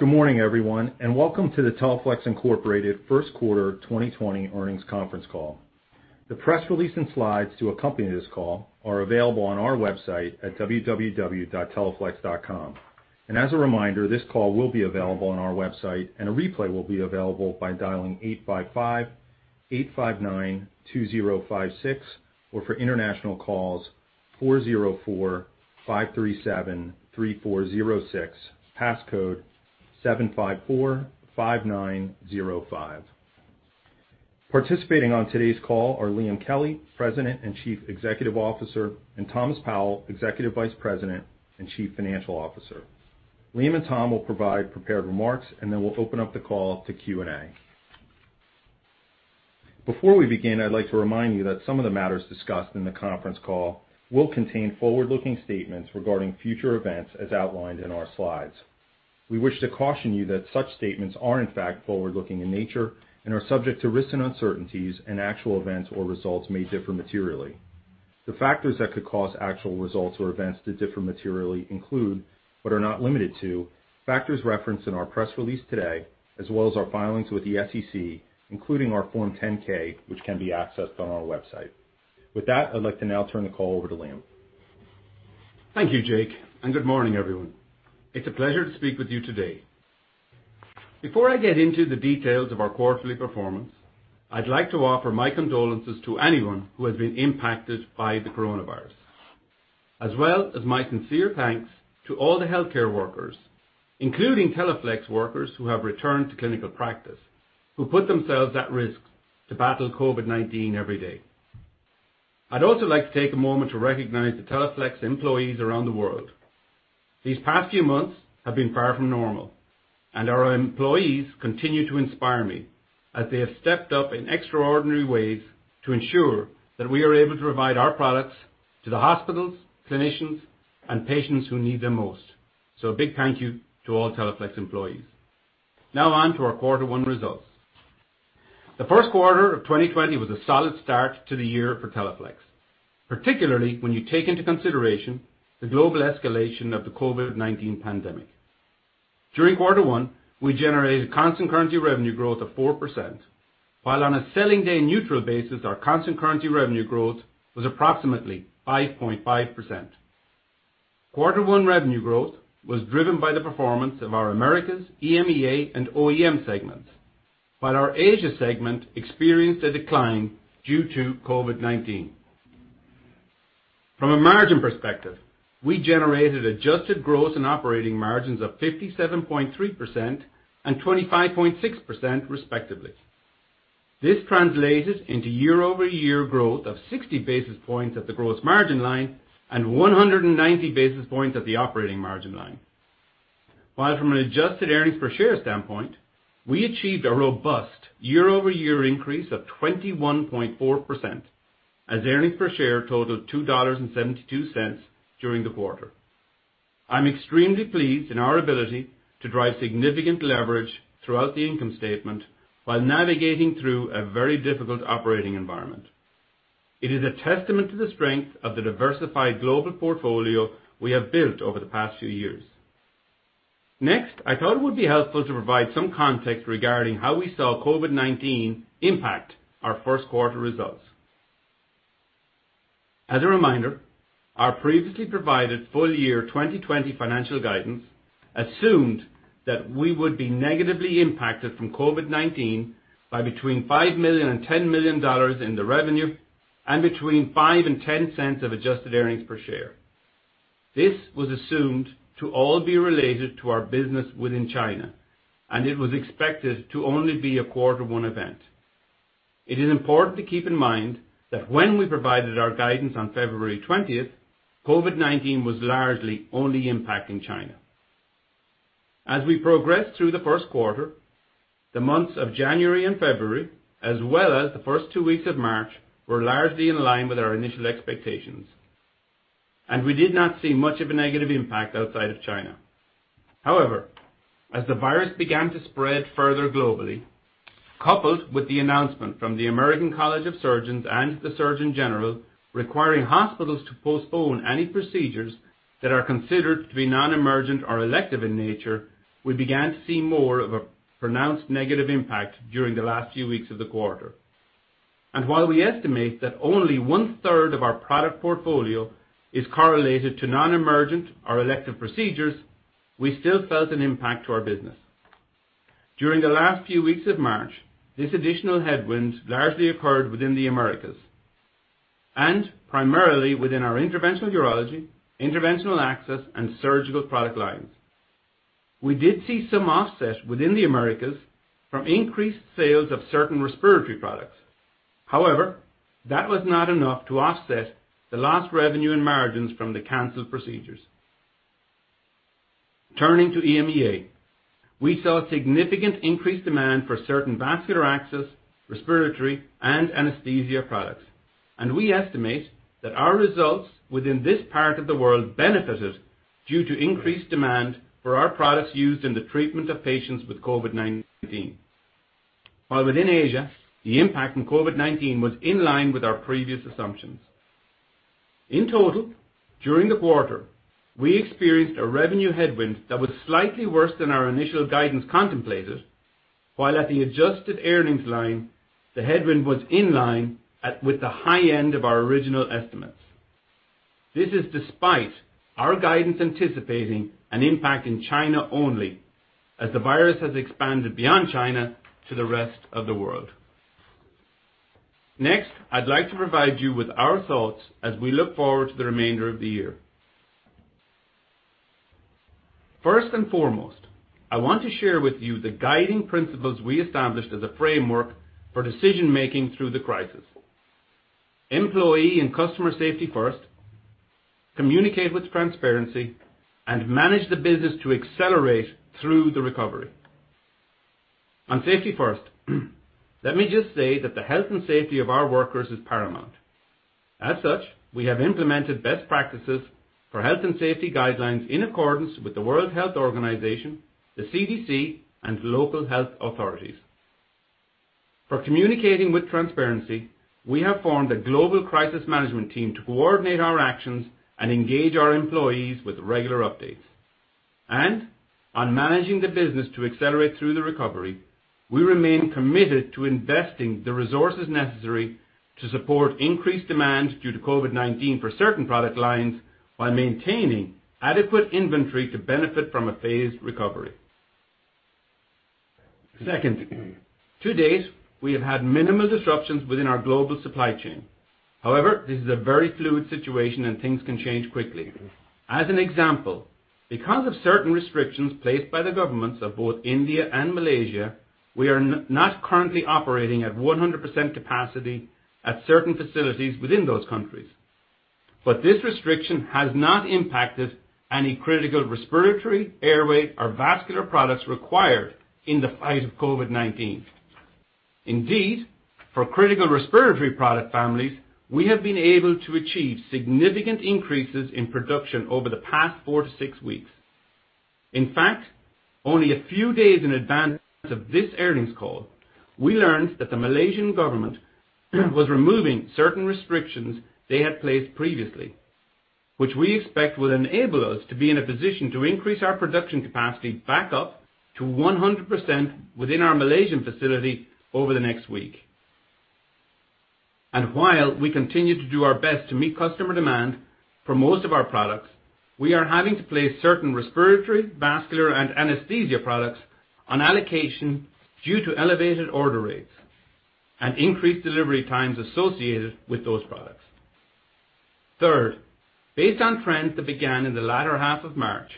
Good morning, everyone, and welcome to the Teleflex Incorporated First Quarter 2020 Earnings Conference Call. The press release and slides to accompany this call are available on our website at www.teleflex.com. As a reminder, this call will be available on our website, and a replay will be available by dialing 855-859-2056, or for international calls, 404-537-3406, passcode 7545905. Participating on today's call are Liam Kelly, President and Chief Executive Officer, and Thomas Powell, Executive Vice President and Chief Financial Officer. Liam and Tom will provide prepared remarks, and then we'll open up the call to Q&A. Before we begin, I'd like to remind you that some of the matters discussed in the conference call will contain forward-looking statements regarding future events, as outlined in our slides. We wish to caution you that such statements are in fact forward-looking in nature and are subject to risks and uncertainties, and actual events or results may differ materially. The factors that could cause actual results or events to differ materially include, but are not limited to, factors referenced in our press release today, as well as our filings with the SEC, including our Form 10-K, which can be accessed on our website. With that, I'd like to now turn the call over to Liam. Thank you, Jake. Good morning, everyone. It's a pleasure to speak with you today. Before I get into the details of our quarterly performance, I'd like to offer my condolences to anyone who has been impacted by the coronavirus, as well as my sincere thanks to all the healthcare workers, including Teleflex workers who have returned to clinical practice, who put themselves at risk to battle COVID-19 every day. I'd also like to take a moment to recognize the Teleflex employees around the world. These past few months have been far from normal, and our employees continue to inspire me as they have stepped up in extraordinary ways to ensure that we are able to provide our products to the hospitals, clinicians, and patients who need them most. A big thank you to all Teleflex employees. Now on to our quarter one results. The first quarter of 2020 was a solid start to the year for Teleflex, particularly when you take into consideration the global escalation of the COVID-19 pandemic. During quarter one, we generated constant currency revenue growth of 4%, while on a selling day neutral basis, our constant currency revenue growth was approximately 5.5%. Quarter one revenue growth was driven by the performance of our Americas, EMEA, and OEM segments. While our Asia segment experienced a decline due to COVID-19. From a margin perspective, we generated adjusted gross and operating margins of 57.3% and 25.6% respectively. This translated into year-over-year growth of 60 basis points at the gross margin line and 190 basis points at the operating margin line. While from an adjusted earnings per share standpoint, we achieved a robust year-over-year increase of 21.4% as earnings per share totaled $2.72 during the quarter. I'm extremely pleased in our ability to drive significant leverage throughout the income statement while navigating through a very difficult operating environment. It is a testament to the strength of the diversified global portfolio we have built over the past few years. Next, I thought it would be helpful to provide some context regarding how we saw COVID-19 impact our first quarter results. As a reminder, our previously provided full year 2020 financial guidance assumed that we would be negatively impacted from COVID-19 by between $5 million and $10 million in the revenue and between $0.05 and $0.10 of adjusted earnings per share. This was assumed to all be related to our business within China, and it was expected to only be a quarter one event. It is important to keep in mind that when we provided our guidance on February 20th, COVID-19 was largely only impacting China. As we progressed through the first quarter, the months of January and February, as well as the first two weeks of March, were largely in line with our initial expectations, and we did not see much of a negative impact outside of China. However, as the virus began to spread further globally, coupled with the announcement from the American College of Surgeons and the Surgeon General requiring hospitals to postpone any procedures that are considered to be non-emergent or elective in nature, we began to see more of a pronounced negative impact during the last few weeks of the quarter. While we estimate that only 1/3 of our product portfolio is correlated to non-emergent or elective procedures, we still felt an impact to our business. During the last few weeks of March, this additional headwind largely occurred within the Americas and primarily within our Interventional Urology, Interventional Access, and surgical product lines. We did see some offset within the Americas from increased sales of certain respiratory products. However, that was not enough to offset the lost revenue and margins from the canceled procedures. Turning to EMEA. We saw significant increased demand for certain vascular access, respiratory, and anesthesia products, and we estimate that our results within this part of the world benefited due to increased demand for our products used in the treatment of patients with COVID-19. Within Asia, the impact from COVID-19 was in line with our previous assumptions. In total, during the quarter, we experienced a revenue headwind that was slightly worse than our initial guidance contemplated, while at the adjusted earnings line, the headwind was in line with the high end of our original estimates. This is despite our guidance anticipating an impact in China only, as the virus has expanded beyond China to the rest of the world. I'd like to provide you with our thoughts as we look forward to the remainder of the year. I want to share with you the guiding principles we established as a framework for decision-making through the crisis. Employee and customer safety first, communicate with transparency, and manage the business to accelerate through the recovery. On safety first, let me just say that the health and safety of our workers is paramount. As such, we have implemented best practices for health and safety guidelines in accordance with the World Health Organization, the CDC, and local health authorities. For communicating with transparency, we have formed a global crisis management team to coordinate our actions and engage our employees with regular updates. On managing the business to accelerate through the recovery, we remain committed to investing the resources necessary to support increased demand due to COVID-19 for certain product lines, while maintaining adequate inventory to benefit from a phased recovery. Second, to date, we have had minimal disruptions within our global supply chain. However, this is a very fluid situation, and things can change quickly. As an example, because of certain restrictions placed by the governments of both India and Malaysia, we are not currently operating at 100% capacity at certain facilities within those countries. This restriction has not impacted any critical respiratory, airway, or vascular products required in the fight of COVID-19. Indeed, for critical respiratory product families, we have been able to achieve significant increases in production over the past four to six weeks. In fact, only a few days in advance of this earnings call, we learned that the Malaysian government was removing certain restrictions they had placed previously, which we expect will enable us to be in a position to increase our production capacity back up to 100% within our Malaysian facility over the next week. While we continue to do our best to meet customer demand for most of our products, we are having to place certain respiratory, vascular, and anesthesia products on allocation due to elevated order rates and increased delivery times associated with those products. Third, based on trends that began in the latter half of March,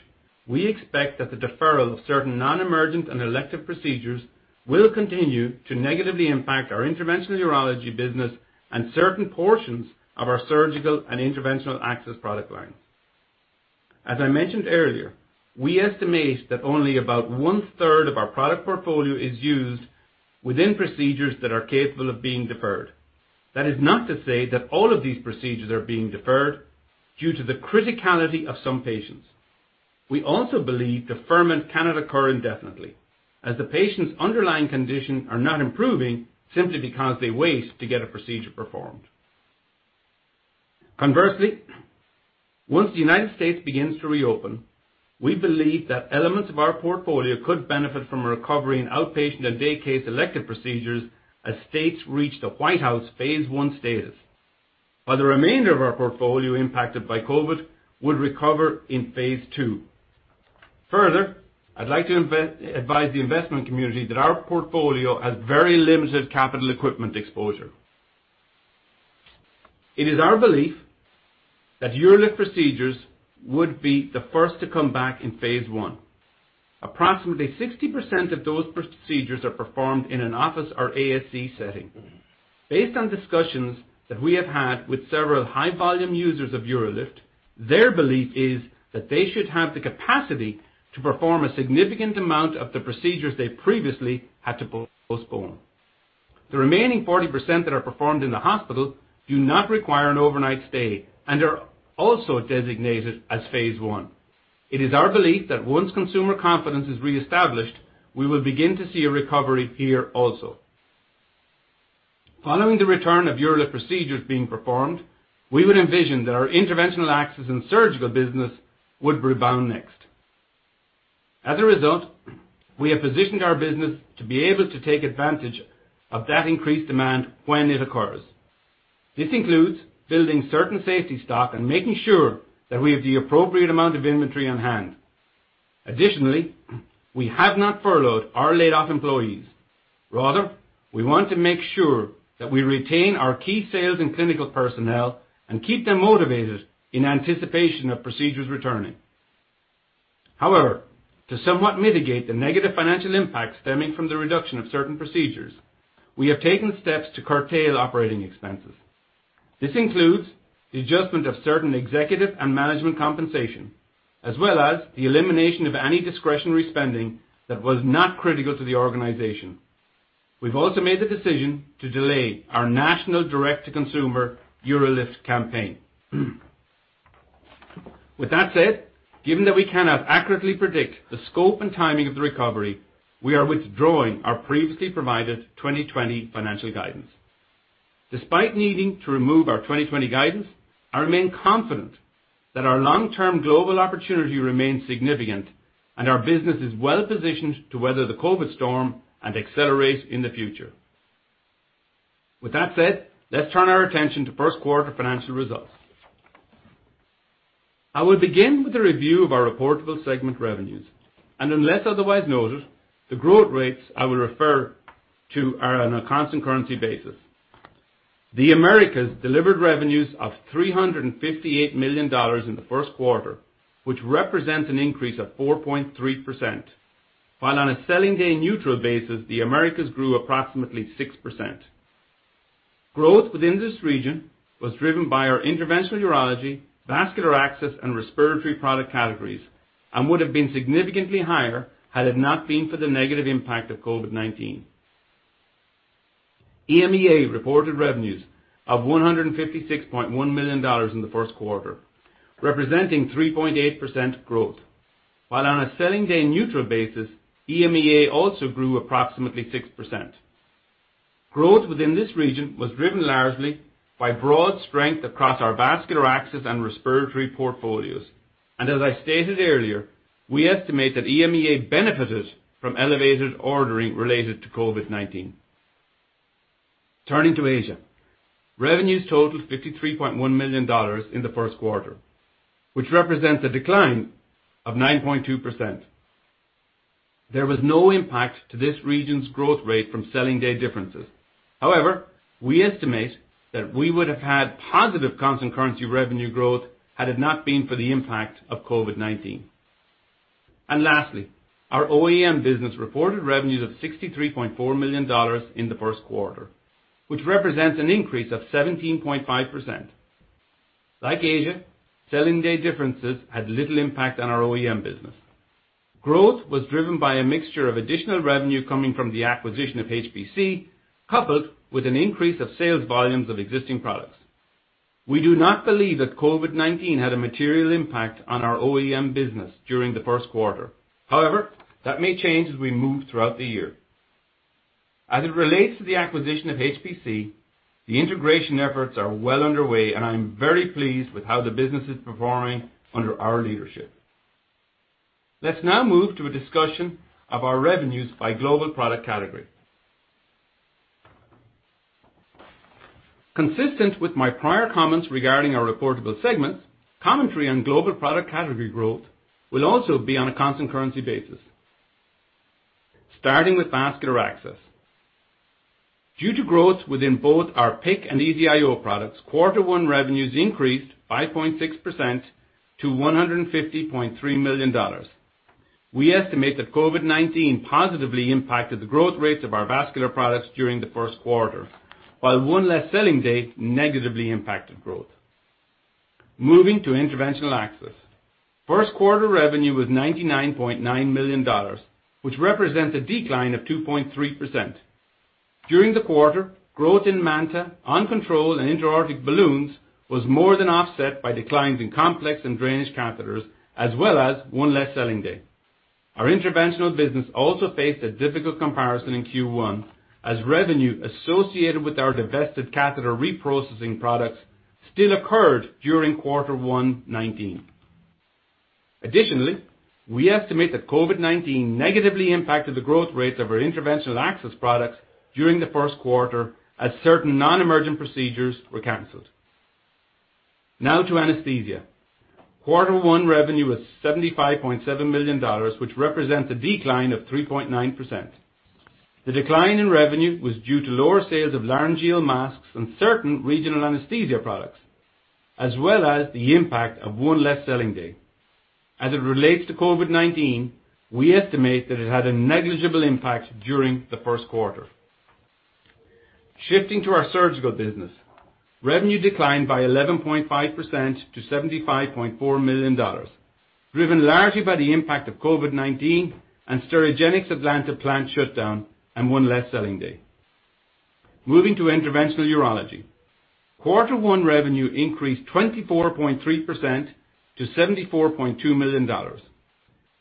we expect that the deferral of certain non-emergent and elective procedures will continue to negatively impact our Interventional Urology business and certain portions of our surgical and Interventional Access product line. As I mentioned earlier, we estimate that only about 1/3 of our product portfolio is used within procedures that are capable of being deferred. That is not to say that all of these procedures are being deferred due to the criticality of some patients. We also believe deferment cannot occur indefinitely, as the patient's underlying condition are not improving simply because they wait to get a procedure performed. Conversely, once the United States begins to reopen, we believe that elements of our portfolio could benefit from a recovery in outpatient and day case elective procedures as states reach the White House phase I status, while the remainder of our portfolio impacted by COVID would recover in phase II. Further, I'd like to advise the investment community that our portfolio has very limited capital equipment exposure. It is our belief that UroLift procedures would be the first to come back in phase I. Approximately 60% of those procedures are performed in an office or ASC setting. Based on discussions that we have had with several high-volume users of UroLift, their belief is that they should have the capacity to perform a significant amount of the procedures they previously had to postpone. The remaining 40% that are performed in the hospital do not require an overnight stay and are also designated as phase I. It is our belief that once consumer confidence is reestablished, we will begin to see a recovery here also. Following the return of UroLift procedures being performed, we would envision that our Interventional Access and surgical business would rebound next. As a result, we have positioned our business to be able to take advantage of that increased demand when it occurs. This includes building certain safety stock and making sure that we have the appropriate amount of inventory on hand. Additionally, we have not furloughed or laid off employees. Rather, we want to make sure that we retain our key sales and clinical personnel and keep them motivated in anticipation of procedures returning. To somewhat mitigate the negative financial impact stemming from the reduction of certain procedures, we have taken steps to curtail operating expenses. This includes the adjustment of certain executive and management compensation, as well as the elimination of any discretionary spending that was not critical to the organization. We've also made the decision to delay our national direct-to-consumer UroLift campaign. Given that we cannot accurately predict the scope and timing of the recovery, we are withdrawing our previously provided 2020 financial guidance. Despite needing to remove our 2020 guidance, I remain confident that our long-term global opportunity remains significant, and our business is well-positioned to weather the COVID storm and accelerate in the future. Let's turn our attention to first quarter financial results. I will begin with a review of our reportable segment revenues. Unless otherwise noted, the growth rates I will refer to are on a constant currency basis. The Americas delivered revenues of $358 million in the first quarter, which represents an increase of 4.3%, while on a selling day neutral basis, the Americas grew approximately 6%. Growth within this region was driven by our interventional urology, vascular access, and respiratory product categories and would have been significantly higher had it not been for the negative impact of COVID-19. EMEA reported revenues of $156.1 million in the first quarter, representing 3.8% growth. On a selling day neutral basis, EMEA also grew approximately 6%. Growth within this region was driven largely by broad strength across our vascular access and respiratory portfolios. As I stated earlier, we estimate that EMEA benefited from elevated ordering related to COVID-19. Turning to Asia. Revenues totaled $53.1 million in the first quarter, which represents a decline of 9.2%. There was no impact to this region's growth rate from selling day differences. However, we estimate that we would have had positive constant currency revenue growth had it not been for the impact of COVID-19. Lastly, our OEM Business reported revenues of $63.4 million in the first quarter, which represents an increase of 17.5%. Like Asia, selling day differences had little impact on our OEM Business. Growth was driven by a mixture of additional revenue coming from the acquisition of HPC, coupled with an increase of sales volumes of existing products. We do not believe that COVID-19 had a material impact on our OEM Business during the first quarter. However, that may change as we move throughout the year. As it relates to the acquisition of HPC, the integration efforts are well underway, and I'm very pleased with how the business is performing under our leadership. Let's now move to a discussion of our revenues by global product category. Consistent with my prior comments regarding our reportable segments, commentary on global product category growth will also be on a constant currency basis. Starting with vascular access. Due to growth within both our PICC and EZ-IO products, quarter one revenues increased 5.6% to $150.3 million. While one less selling day negatively impacted growth. Moving to Interventional Access. First quarter revenue was $99.9 million, which represents a decline of 2.3%. During the quarter, growth in MANTA, OnControl, and intra-aortic balloons was more than offset by declines in complex and drainage catheters, as well as one less selling day. Our interventional business also faced a difficult comparison in Q1 as revenue associated with our divested catheter reprocessing products still occurred during quarter one 2019. We estimate that COVID-19 negatively impacted the growth rates of our Interventional Access products during the first quarter as certain non-emergent procedures were canceled. Now to anesthesia. Quarter one revenue was $75.7 million, which represents a decline of 3.9%. The decline in revenue was due to lower sales of laryngeal masks and certain regional anesthesia products, as well as the impact of one less selling day. As it relates to COVID-19, we estimate that it had a negligible impact during the first quarter. Shifting to our surgical business. Revenue declined by 11.5% to $75.4 million, driven largely by the impact of COVID-19 and Sterigenics Atlanta plant shutdown and one less selling day. Moving to interventional urology. Quarter one revenue increased 24.3% to $74.2 million.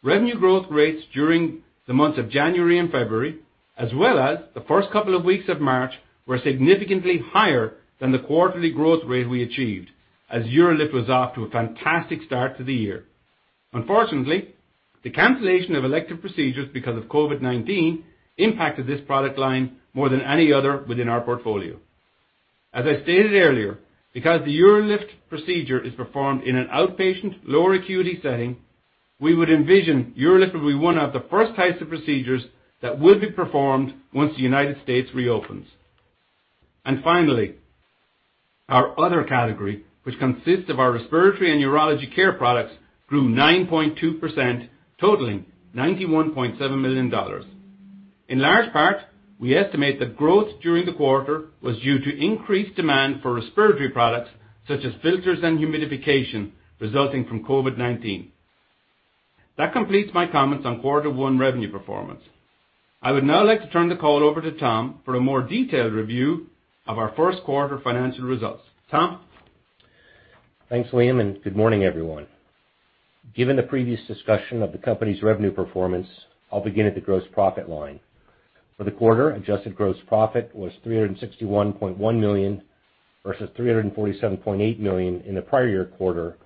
Revenue growth rates during the months of January and February, as well as the first couple of weeks of March, were significantly higher than the quarterly growth rate we achieved as UroLift was off to a fantastic start to the year. Unfortunately, the cancellation of elective procedures because of COVID-19 impacted this product line more than any other within our portfolio. As I stated earlier, because the UroLift procedure is performed in an outpatient, lower acuity setting, we would envision UroLift will be one of the first types of procedures that would be performed once the United States reopens. Finally, our other category, which consists of our respiratory and urology care products, grew 9.2%, totaling $91.7 million. In large part, we estimate that growth during the quarter was due to increased demand for respiratory products such as filters and humidification resulting from COVID-19. That completes my comments on quarter one revenue performance. I would now like to turn the call over to Tom for a more detailed review of our first quarter financial results. Tom? Thanks, Liam, and good morning, everyone. Given the previous discussion of the company's revenue performance, I'll begin at the gross profit line. For the quarter, adjusted gross profit was $361.1 million, versus $347.8 million in the prior year quarter,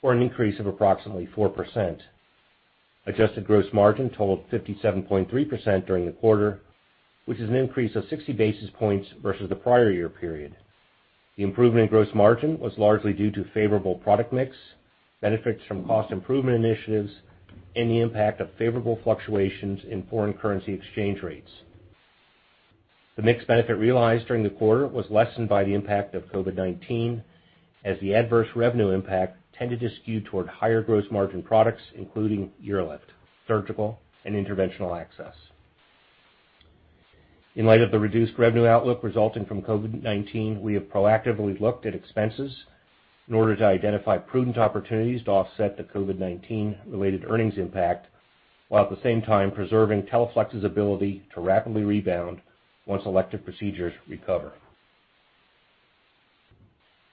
for an increase of approximately 4%. Adjusted gross margin totaled 57.3% during the quarter, which is an increase of 60 basis points versus the prior year period. The improvement in gross margin was largely due to favorable product mix, benefits from cost improvement initiatives, and the impact of favorable fluctuations in foreign currency exchange rates. The mix benefit realized during the quarter was lessened by the impact of COVID-19, as the adverse revenue impact tended to skew toward higher gross margin products, including UroLift, surgical, and Interventional Access. In light of the reduced revenue outlook resulting from COVID-19, we have proactively looked at expenses in order to identify prudent opportunities to offset the COVID-19 related earnings impact, while at the same time preserving Teleflex's ability to rapidly rebound once elective procedures recover.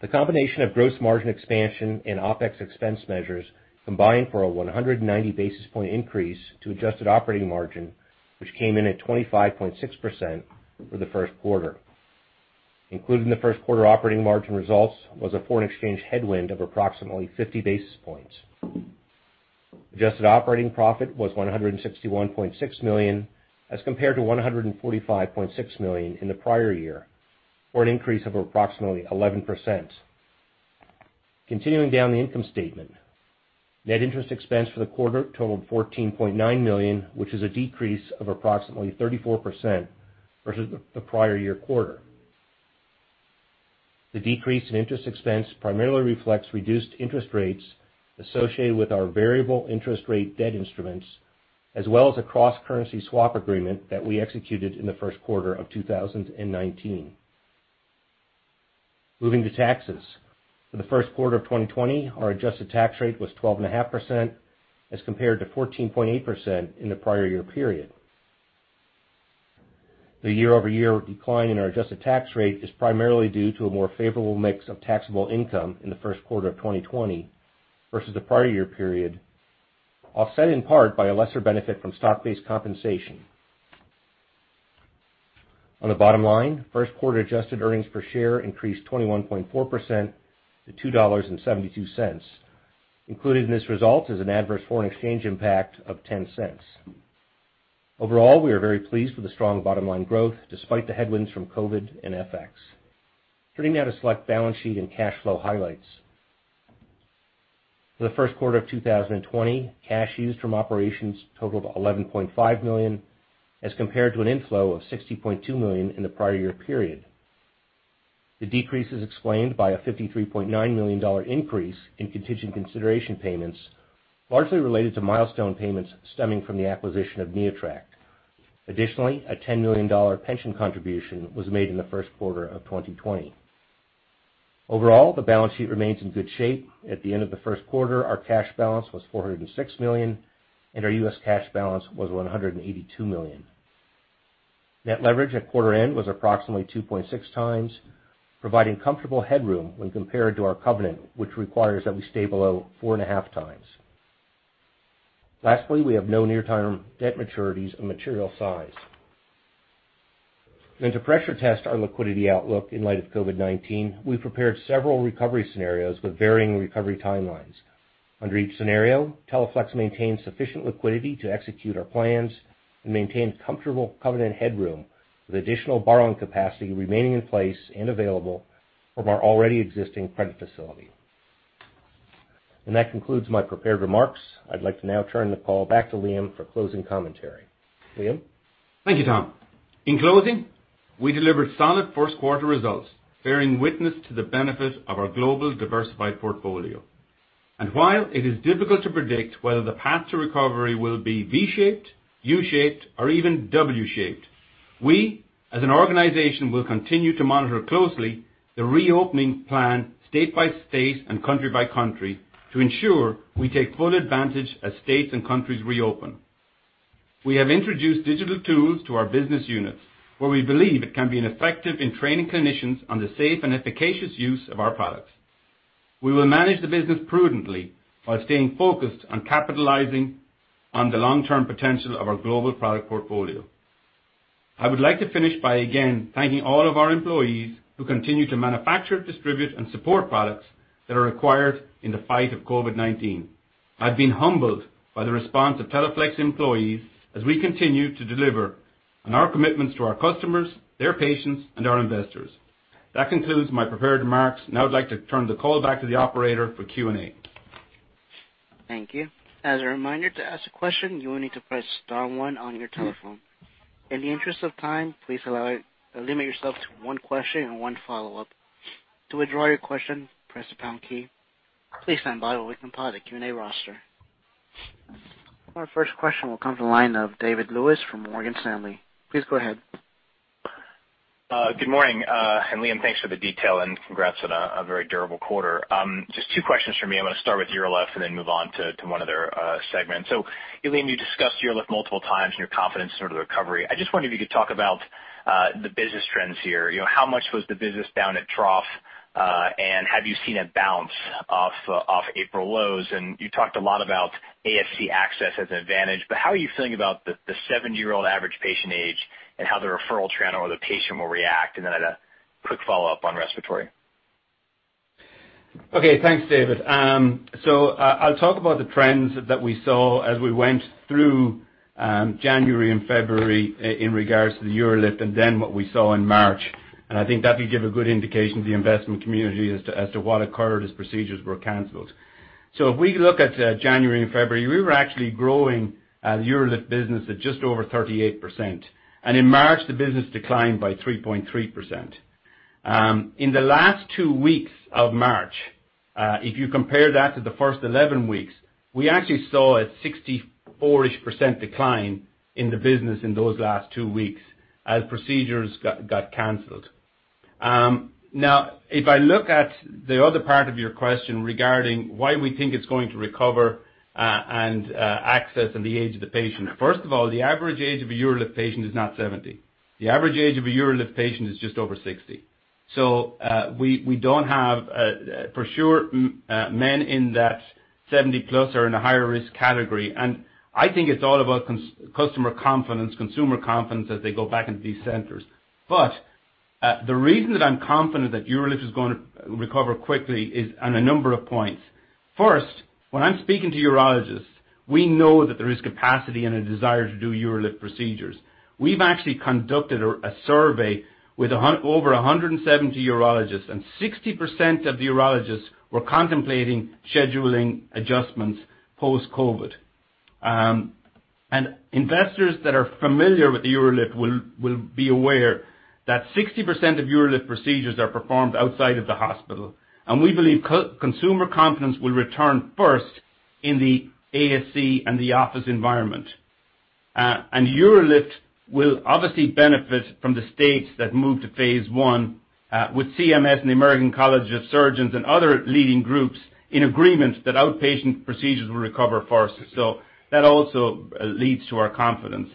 The combination of gross margin expansion and OpEx expense measures combined for a 190 basis points increase to adjusted operating margin, which came in at 25.6% for the first quarter. Included in the first quarter operating margin results was a foreign exchange headwind of approximately 50 basis points. Adjusted operating profit was $161.6 million, as compared to $145.6 million in the prior year, for an increase of approximately 11%. Continuing down the income statement, net interest expense for the quarter totaled $14.9 million, which is a decrease of approximately 34% versus the prior year quarter. The decrease in interest expense primarily reflects reduced interest rates associated with our variable interest rate debt instruments, as well as a cross-currency swap agreement that we executed in the first quarter of 2019. Moving to taxes. For the first quarter of 2020, our adjusted tax rate was 12.5%, as compared to 14.8% in the prior year period. The year-over-year decline in our adjusted tax rate is primarily due to a more favorable mix of taxable income in the first quarter of 2020 versus the prior year period, offset in part by a lesser benefit from stock-based compensation. On the bottom line, first quarter adjusted earnings per share increased 21.4% to $2.72. Included in this result is an adverse foreign exchange impact of $0.10. Overall, we are very pleased with the strong bottom-line growth, despite the headwinds from COVID-19 and FX. Turning now to select balance sheet and cash flow highlights. For the first quarter of 2020, cash used from operations totaled $11.5 million, as compared to an inflow of $60.2 million in the prior year period. The decrease is explained by a $53.9 million increase in contingent consideration payments, largely related to milestone payments stemming from the acquisition of NeoTract. Additionally, a $10 million pension contribution was made in the first quarter of 2020. Overall, the balance sheet remains in good shape. At the end of the first quarter, our cash balance was $406 million, and our U.S. cash balance was $182 million. Net leverage at quarter end was approximately 2.6x, providing comfortable headroom when compared to our covenant, which requires that we stay below 4.5x. Lastly, we have no near-term debt maturities of material size. To pressure test our liquidity outlook in light of COVID-19, we've prepared several recovery scenarios with varying recovery timelines. Under each scenario, Teleflex maintains sufficient liquidity to execute our plans and maintain comfortable covenant headroom with additional borrowing capacity remaining in place and available from our already existing credit facility. That concludes my prepared remarks. I'd like to now turn the call back to Liam for closing commentary. Liam? Thank you, Tom. In closing, we delivered solid first quarter results, bearing witness to the benefit of our global diversified portfolio. While it is difficult to predict whether the path to recovery will be V-shaped, U-shaped, or even W-shaped, we as an organization will continue to monitor closely the reopening plan state by state and country by country to ensure we take full advantage as states and countries reopen. We have introduced digital tools to our business units, where we believe it can be effective in training clinicians on the safe and efficacious use of our products. We will manage the business prudently while staying focused on capitalizing on the long-term potential of our global product portfolio. I would like to finish by again thanking all of our employees who continue to manufacture, distribute, and support products that are required in the fight of COVID-19. I've been humbled by the response of Teleflex employees as we continue to deliver on our commitments to our customers, their patients, and our investors. That concludes my prepared remarks. Now I'd like to turn the call back to the operator for Q&A. Thank you. As a reminder, to ask a question, you will need to press star one on your telephone. In the interest of time, please limit yourself to one question and one follow-up. To withdraw your question, press the pound key. Please stand by while we compile the Q&A roster. Our first question will come from the line of David Lewis from Morgan Stanley. Please go ahead. Good morning. Liam, thanks for the detail, and congrats on a very durable quarter. Just two questions from me. I'm going to start with UroLift and then move on to one other segment. Liam, you discussed UroLift multiple times and your confidence in sort of the recovery. I just wonder if you could talk about the business trends here. How much was the business down at trough, and have you seen a bounce off April lows? You talked a lot about ASC access as an advantage, how are you feeling about the 70-year-old average patient age and how the referral channel or the patient will react? I had a quick follow-up on respiratory. Okay. Thanks, David. I'll talk about the trends that we saw as we went through January and February in regards to the UroLift and then what we saw in March. I think that'll give a good indication to the investment community as to what occurred as procedures were canceled. If we look at January and February, we were actually growing the UroLift business at just over 38%. In March, the business declined by 3.3%. In the last two weeks of March, if you compare that to the first 11 weeks, we actually saw a 64%-ish decline in the business in those last two weeks as procedures got canceled. If I look at the other part of your question regarding why we think it's going to recover and access and the age of the patient. First of all, the average age of a UroLift patient is not 70. The average age of a UroLift patient is just over 60. For sure, men in that 70+ are in a higher risk category. I think it's all about customer confidence, consumer confidence as they go back into these centers. The reason that I'm confident that UroLift is going to recover quickly is on a number of points. First, when I'm speaking to urologists, we know that there is capacity and a desire to do UroLift procedures. We've actually conducted a survey with over 170 urologists, 60% of the urologists were contemplating scheduling adjustments post-COVID. Investors that are familiar with the UroLift will be aware that 60% of UroLift procedures are performed outside of the hospital. We believe consumer confidence will return first in the ASC and the office environment. UroLift will obviously benefit from the states that move to phase I, with CMS and the American College of Surgeons and other leading groups in agreement that outpatient procedures will recover first. That also leads to our confidence.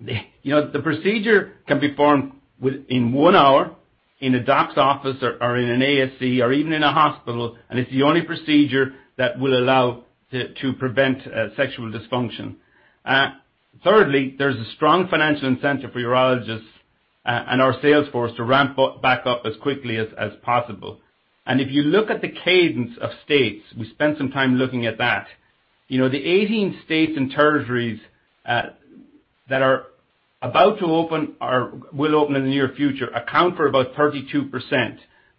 The procedure can be performed within one hour in a doctor's office or in an ASC or even in a hospital, and it's the only procedure that will allow to prevent sexual dysfunction. Thirdly, there's a strong financial incentive for urologists and our sales force to ramp back up as quickly as possible. If you look at the cadence of states, we spent some time looking at that. The 18 states and territories that are about to open or will open in the near future account for about 32%.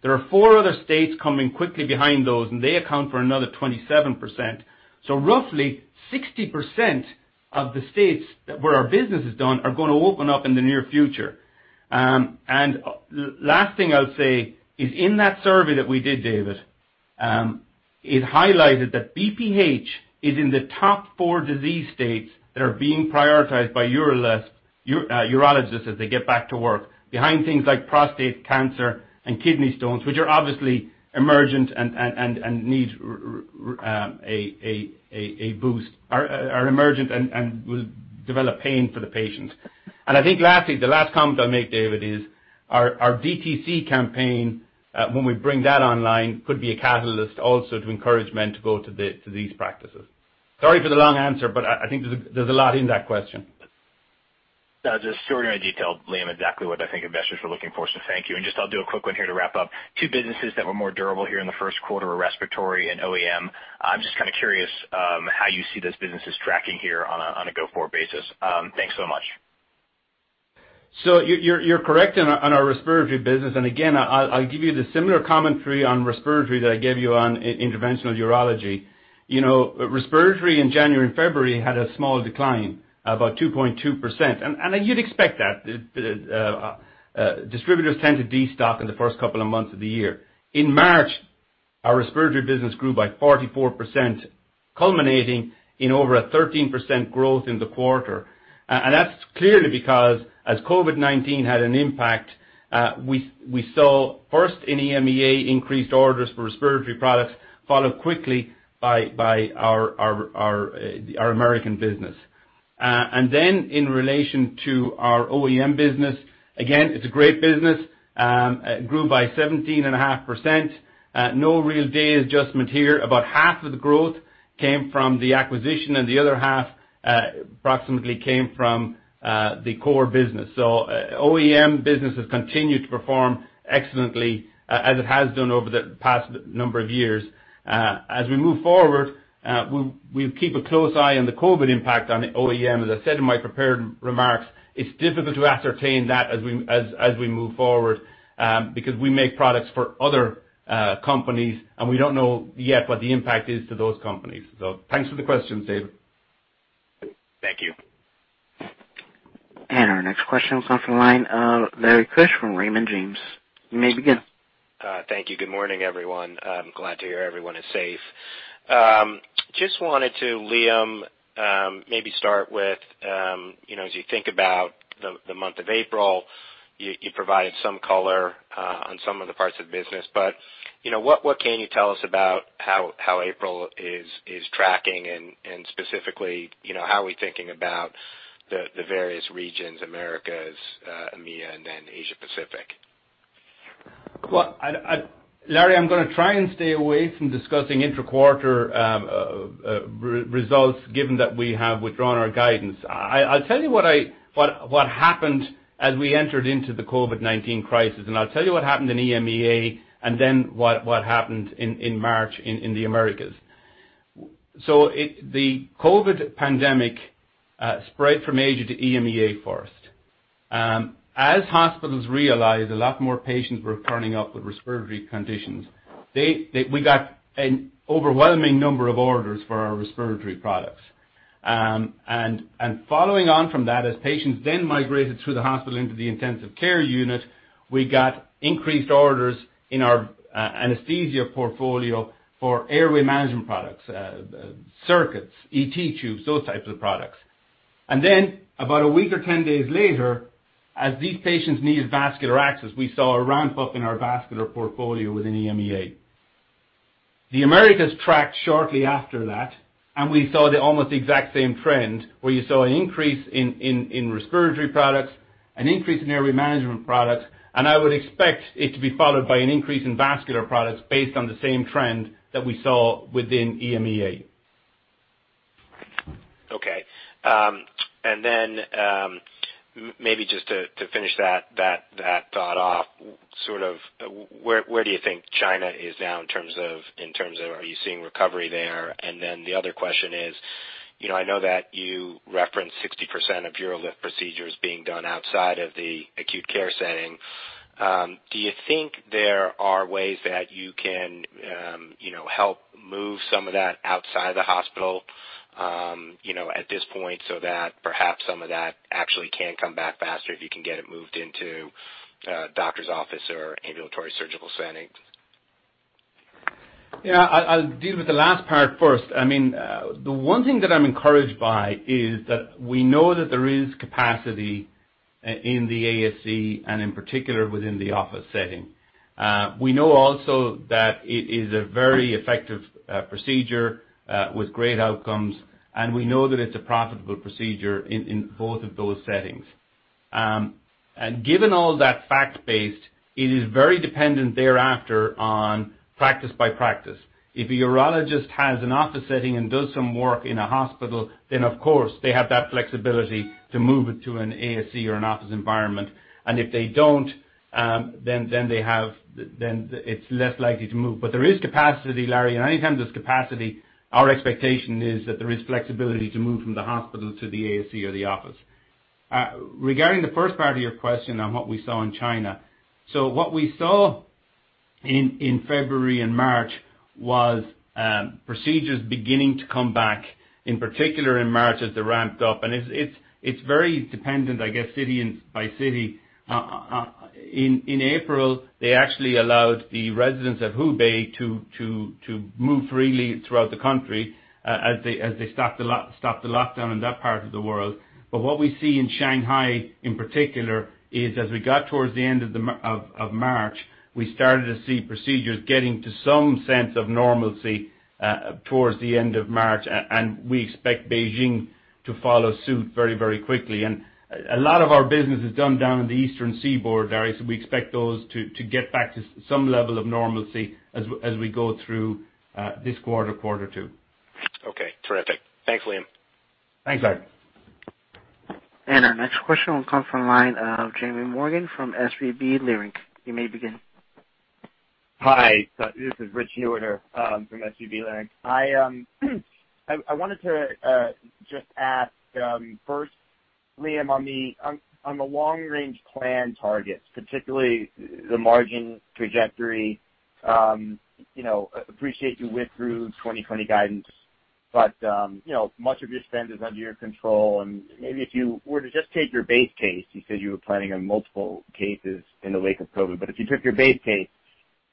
There are four other states coming quickly behind those. They account for another 27%. Roughly 60% of the states where our business is done are going to open up in the near future. Last thing I'll say is in that survey that we did, David, it highlighted that BPH is in the top four disease states that are being prioritized by urologists as they get back to work, behind things like prostate cancer and kidney stones, which are obviously emergent and need a boost and will develop pain for the patient. I think lastly, the last comment I'll make, David, is our DTC campaign, when we bring that online, could be a catalyst also to encourage men to go to these practices. Sorry for the long answer. I think there's a lot in that question. No, just shorter and detailed, Liam, exactly what I think investors were looking for. Thank you. Just I'll do a quick one here to wrap up. Two businesses that were more durable here in the first quarter were respiratory and OEM. I'm just kind of curious how you see those businesses tracking here on a go-forward basis. Thanks so much. You're correct on our respiratory business. Again, I'll give you the similar commentary on respiratory that I gave you on interventional urology. Respiratory in January and February had a small decline, about 2.2%. You'd expect that. Distributors tend to destock in the first couple of months of the year. In March, our respiratory business grew by 44%, culminating in over a 13% growth in the quarter. That's clearly because as COVID-19 had an impact, we saw first in EMEA increased orders for respiratory products, followed quickly by our American business. In relation to our OEM business, again, it's a great business. It grew by 17.5%. No real day adjustment here. About half of the growth came from the acquisition, and the other half approximately came from the core business. OEM business has continued to perform excellently as it has done over the past number of years. As we move forward, we'll keep a close eye on the COVID impact on the OEM. As I said in my prepared remarks, it's difficult to ascertain that as we move forward because we make products for other companies, and we don't know yet what the impact is to those companies. Thanks for the question, David. Thank you. Our next question comes from the line of Larry Keusch from Raymond James. You may begin. Thank you. Good morning, everyone. I'm glad to hear everyone is safe. Just wanted to, Liam, maybe start with, as you think about the month of April, you provided some color on some of the parts of the business. What can you tell us about how April is tracking and specifically, how are we thinking about the various regions, Americas, EMEA, and then Asia Pacific? Well, Larry, I'm going to try and stay away from discussing intra-quarter results given that we have withdrawn our guidance. I'll tell you what happened as we entered into the COVID-19 crisis. I'll tell you what happened in EMEA, then what happened in March in the Americas. The COVID pandemic spread from Asia to EMEA first. As hospitals realized a lot more patients were turning up with respiratory conditions, we got an overwhelming number of orders for our respiratory products. Following on from that, as patients then migrated through the hospital into the intensive care unit, we got increased orders in our anesthesia portfolio for airway management products, circuits, ET tubes, those types of products. Then about a week or 10 days later, as these patients needed vascular access, we saw a ramp-up in our vascular portfolio within EMEA. The Americas tracked shortly after that. We saw almost the exact same trend, where you saw an increase in respiratory products, an increase in airway management products, and I would expect it to be followed by an increase in vascular products based on the same trend that we saw within EMEA. Okay. Maybe just to finish that thought off, where do you think China is now in terms of are you seeing recovery there? The other question is, I know that you referenced 60% of UroLift procedures being done outside of the acute care setting. Do you think there are ways that you can help move some of that outside the hospital at this point so that perhaps some of that actually can come back faster if you can get it moved into a doctor's office or ambulatory surgical setting? Yeah. I'll deal with the last part first. The one thing that I'm encouraged by is that we know that there is capacity in the ASC, and in particular within the office setting. We know also that it is a very effective procedure with great outcomes, and we know that it's a profitable procedure in both of those settings. Given all that fact-based, it is very dependent thereafter on practice by practice. If a urologist has an office setting and does some work in a hospital, then of course, they have that flexibility to move it to an ASC or an office environment. If they don't, then it's less likely to move. There is capacity, Larry, and anytime there's capacity, our expectation is that there is flexibility to move from the hospital to the ASC or the office. Regarding the first part of your question on what we saw in China. What we saw in February and March was procedures beginning to come back, in particular in March as they ramped up, and it's very dependent, I guess, city by city. In April, they actually allowed the residents of Hubei to move freely throughout the country as they stopped the lockdown in that part of the world. What we see in Shanghai in particular is as we got towards the end of March, we started to see procedures getting to some sense of normalcy towards the end of March, and we expect Beijing to follow suit very quickly. A lot of our business is done down in the eastern seaboard, Larry, so we expect those to get back to some level of normalcy as we go through this quarter two. Okay. Terrific. Thanks, Liam. Thanks, Larry. Our next question will come from the line of Jeremy Morgan from SVB Leerink. You may begin. Hi. This is Rich Newitter from SVB Leerink. I wanted to just ask, first, Liam, on the long-range plan targets, particularly the margin trajectory. Appreciate you withdrew 2020 guidance. Much of your spend is under your control, and maybe if you were to just take your base case, you said you were planning on multiple cases in the wake of COVID. If you took your base case,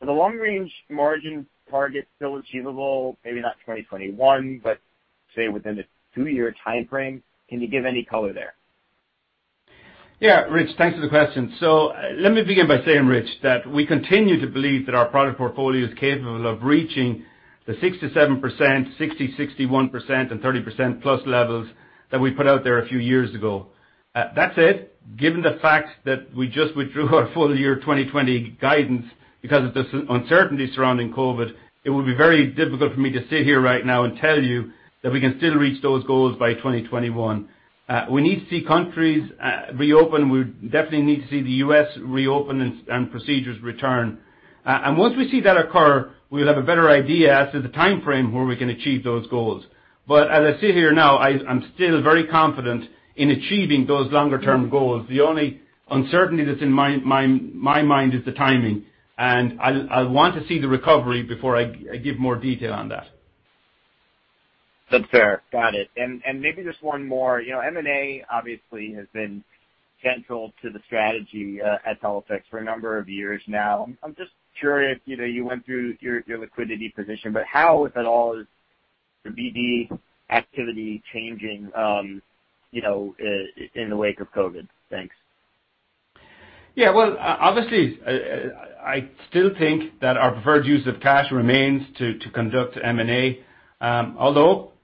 are the long-range margin targets still achievable, maybe not 2021, but say within a two-year timeframe? Can you give any color there? Yeah, Rich, thanks for the question. Let me begin by saying, Rich, that we continue to believe that our product portfolio is capable of reaching the 67%, 60%-61%, and 30%+ levels that we put out there a few years ago. That said, given the fact that we just withdrew our full year 2020 guidance because of the uncertainty surrounding COVID-19, it would be very difficult for me to sit here right now and tell you that we can still reach those goals by 2021. We need to see countries reopen. We definitely need to see the U.S. reopen and procedures return. Once we see that occur, we'll have a better idea as to the timeframe where we can achieve those goals. As I sit here now, I'm still very confident in achieving those longer-term goals. The only uncertainty that's in my mind is the timing, and I want to see the recovery before I give more detail on that. That's fair. Got it. Maybe just one more. M&A obviously has been central to the strategy at Teleflex for a number of years now. I'm just curious, you went through your liquidity position, but how, if at all, is the BD activity changing in the wake of COVID? Thanks. Yeah. Well, obviously, I still think that our preferred use of cash remains to conduct M&A.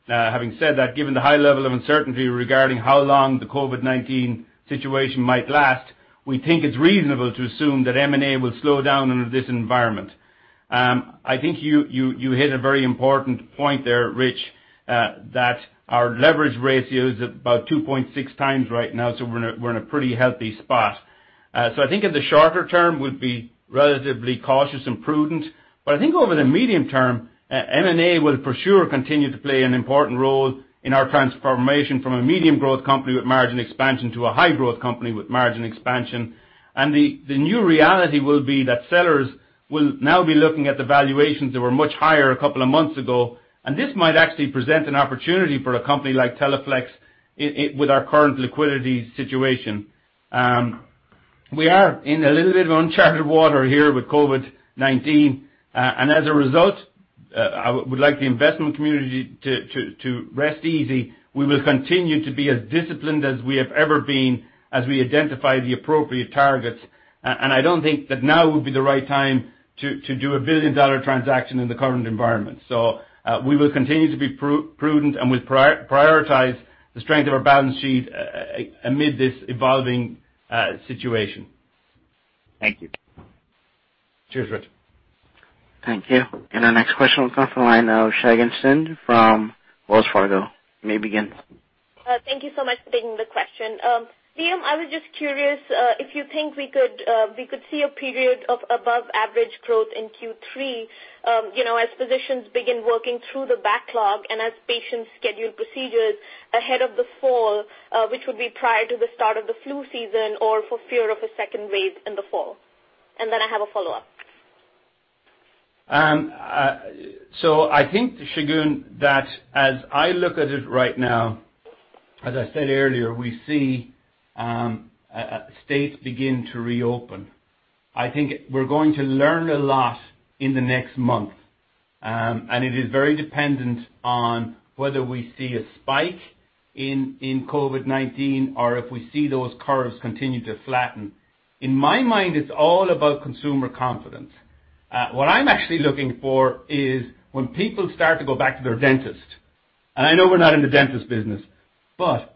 Having said that, given the high level of uncertainty regarding how long the COVID-19 situation might last, we think it's reasonable to assume that M&A will slow down under this environment. I think you hit a very important point there, Rich, that our leverage ratio is about 2.6x right now, so we're in a pretty healthy spot. I think in the shorter term, we'll be relatively cautious and prudent. I think over the medium term, M&A will for sure continue to play an important role in our transformation from a medium growth company with margin expansion to a high growth company with margin expansion. The new reality will be that sellers will now be looking at the valuations that were much higher a couple of months ago, and this might actually present an opportunity for a company like Teleflex with our current liquidity situation. We are in a little bit of uncharted water here with COVID-19. As a result, I would like the investment community to rest easy. We will continue to be as disciplined as we have ever been as we identify the appropriate targets. I don't think that now would be the right time to do a billion-dollar transaction in the current environment. We will continue to be prudent, and we'll prioritize the strength of our balance sheet amid this evolving situation. Thank you. Cheers, Rich. Thank you. Our next question will come from the line of Shagun Singh from Wells Fargo. You may begin. Thank you so much for taking the question. Liam, I was just curious if you think we could see a period of above average growth in Q3 as physicians begin working through the backlog and as patients schedule procedures ahead of the fall, which would be prior to the start of the flu season, or for fear of a second wave in the fall. Then I have a follow-up. I think, Shagun, that as I look at it right now, as I said earlier, we see states begin to reopen. I think we're going to learn a lot in the next month. It is very dependent on whether we see a spike in COVID-19 or if we see those curves continue to flatten. In my mind, it's all about consumer confidence. What I'm actually looking for is when people start to go back to their dentist. I know we're not in the dentist business.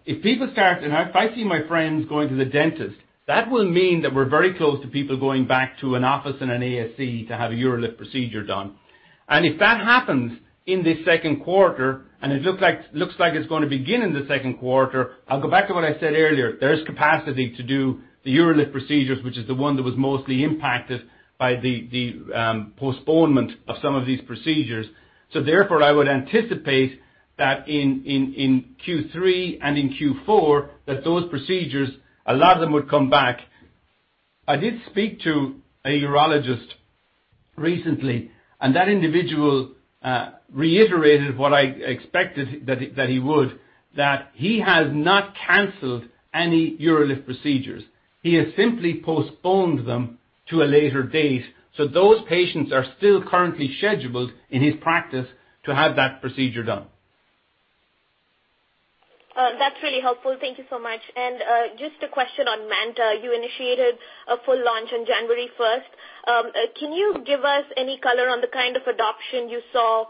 If people start, and if I see my friends going to the dentist, that will mean that we're very close to people going back to an office and an ASC to have a UroLift procedure done. If that happens in the second quarter, and it looks like it's going to begin in the second quarter, I'll go back to what I said earlier, there is capacity to do the UroLift procedures, which is the one that was mostly impacted by the postponement of some of these procedures. Therefore, I would anticipate that in Q3 and in Q4, that those procedures, a lot of them would come back. I did speak to a urologist recently. That individual reiterated what I expected that he would, that he has not canceled any UroLift procedures. He has simply postponed them to a later date. Those patients are still currently scheduled in his practice to have that procedure done. That's really helpful. Thank you so much. Just a question on MANTA. You initiated a full launch on January 1st. Can you give us any color on the kind of adoption you saw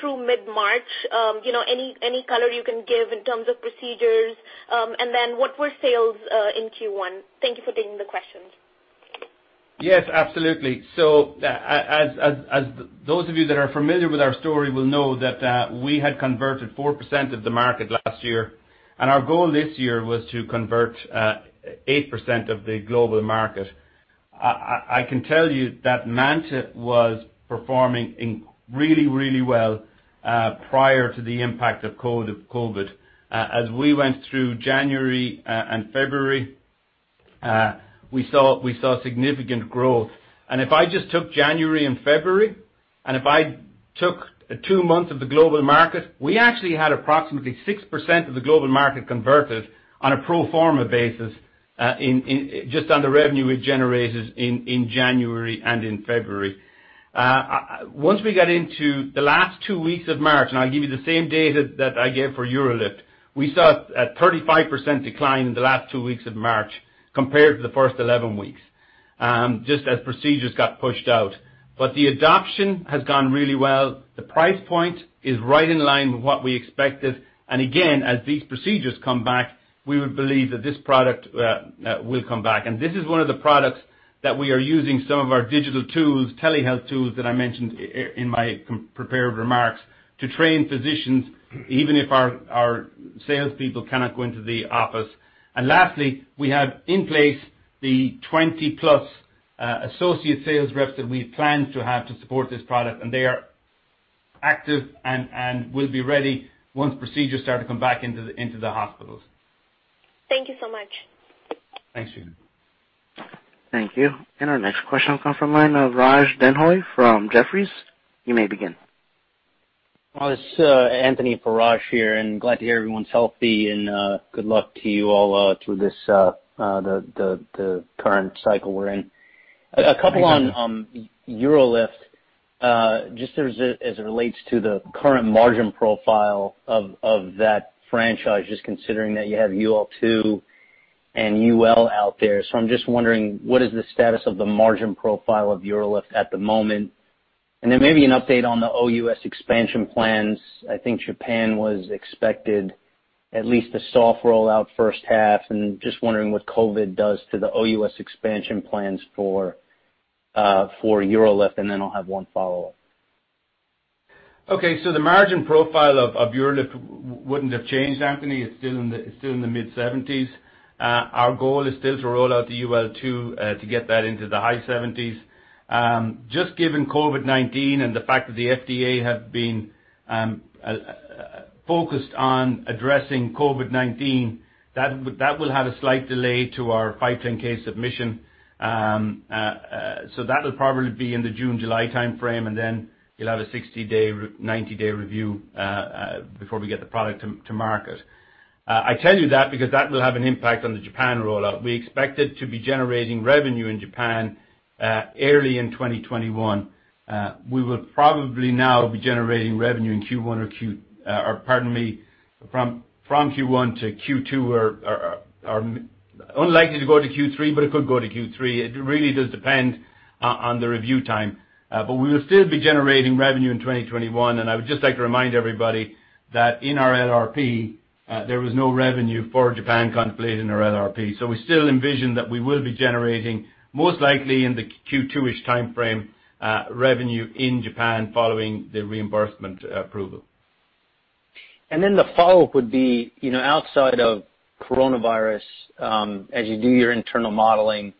through mid-March? Any color you can give in terms of procedures, and then what were sales in Q1? Thank you for taking the question. Yes, absolutely. As those of you that are familiar with our story will know that we had converted 4% of the market last year, and our goal this year was to convert 8% of the global market. I can tell you that MANTA was performing really, really well prior to the impact of COVID-19. As we went through January and February, we saw significant growth. If I just took January and February, and if I took two months of the global market, we actually had approximately 6% of the global market converted on a pro forma basis just on the revenue it generated in January and in February. Once we got into the last two weeks of March, I'll give you the same data that I gave for UroLift. We saw a 35% decline in the last two weeks of March compared to the first 11 weeks, just as procedures got pushed out. But the adoption has gone really well. The price point is right in line with what we expected. And again, as these procedures come back, we would believe that this product will come back. And this is one of the products that we are using some of our digital tools, telehealth tools that I mentioned in my prepared remarks, to train physicians, even if our salespeople cannot go into the office. Lastly, we have in place the 20+ associate sales reps that we planned to have to support this product, and they are active and will be ready once procedures start to come back into the hospitals. Thank you so much. Thanks, Shagun. Thank you. Our next question will come from line of Raj Denhoy from Jefferies. You may begin. It's Anthony for Raj here, and glad to hear everyone's healthy and good luck to you all through the current cycle we're in. A couple on UroLift, just as it relates to the current margin profile of that franchise, just considering that you have UL2 and UL out there. I'm just wondering what is the status of the margin profile of UroLift at the moment? Maybe an update on the OUS expansion plans. I think Japan was expected at least a soft rollout first half, and just wondering what COVID does to the OUS expansion plans for UroLift, and then I'll have one follow-up. Okay. The margin profile of UroLift wouldn't have changed, Anthony. It's still in the mid-70s. Our goal is still to roll out the UL2 to get that into the high 70s. Just given COVID-19 and the fact that the FDA have been focused on addressing COVID-19, that will have a slight delay to our 510 submission. That'll probably be in the June, July timeframe, and then you'll have a 60-day, 90-day review before we get the product to market. I tell you that because that will have an impact on the Japan rollout. We expected to be generating revenue in Japan early in 2021. We will probably now be generating revenue from Q1 to Q2 or are unlikely to go to Q3, but it could go to Q3. It really does depend on the review time. We will still be generating revenue in 2021. I would just like to remind everybody that in our LRP, there was no revenue for Japan conflated in our LRP. We still envision that we will be generating, most likely in the Q2-ish timeframe, revenue in Japan following the reimbursement approval. The follow-up would be, outside of coronavirus, as you do your internal modeling,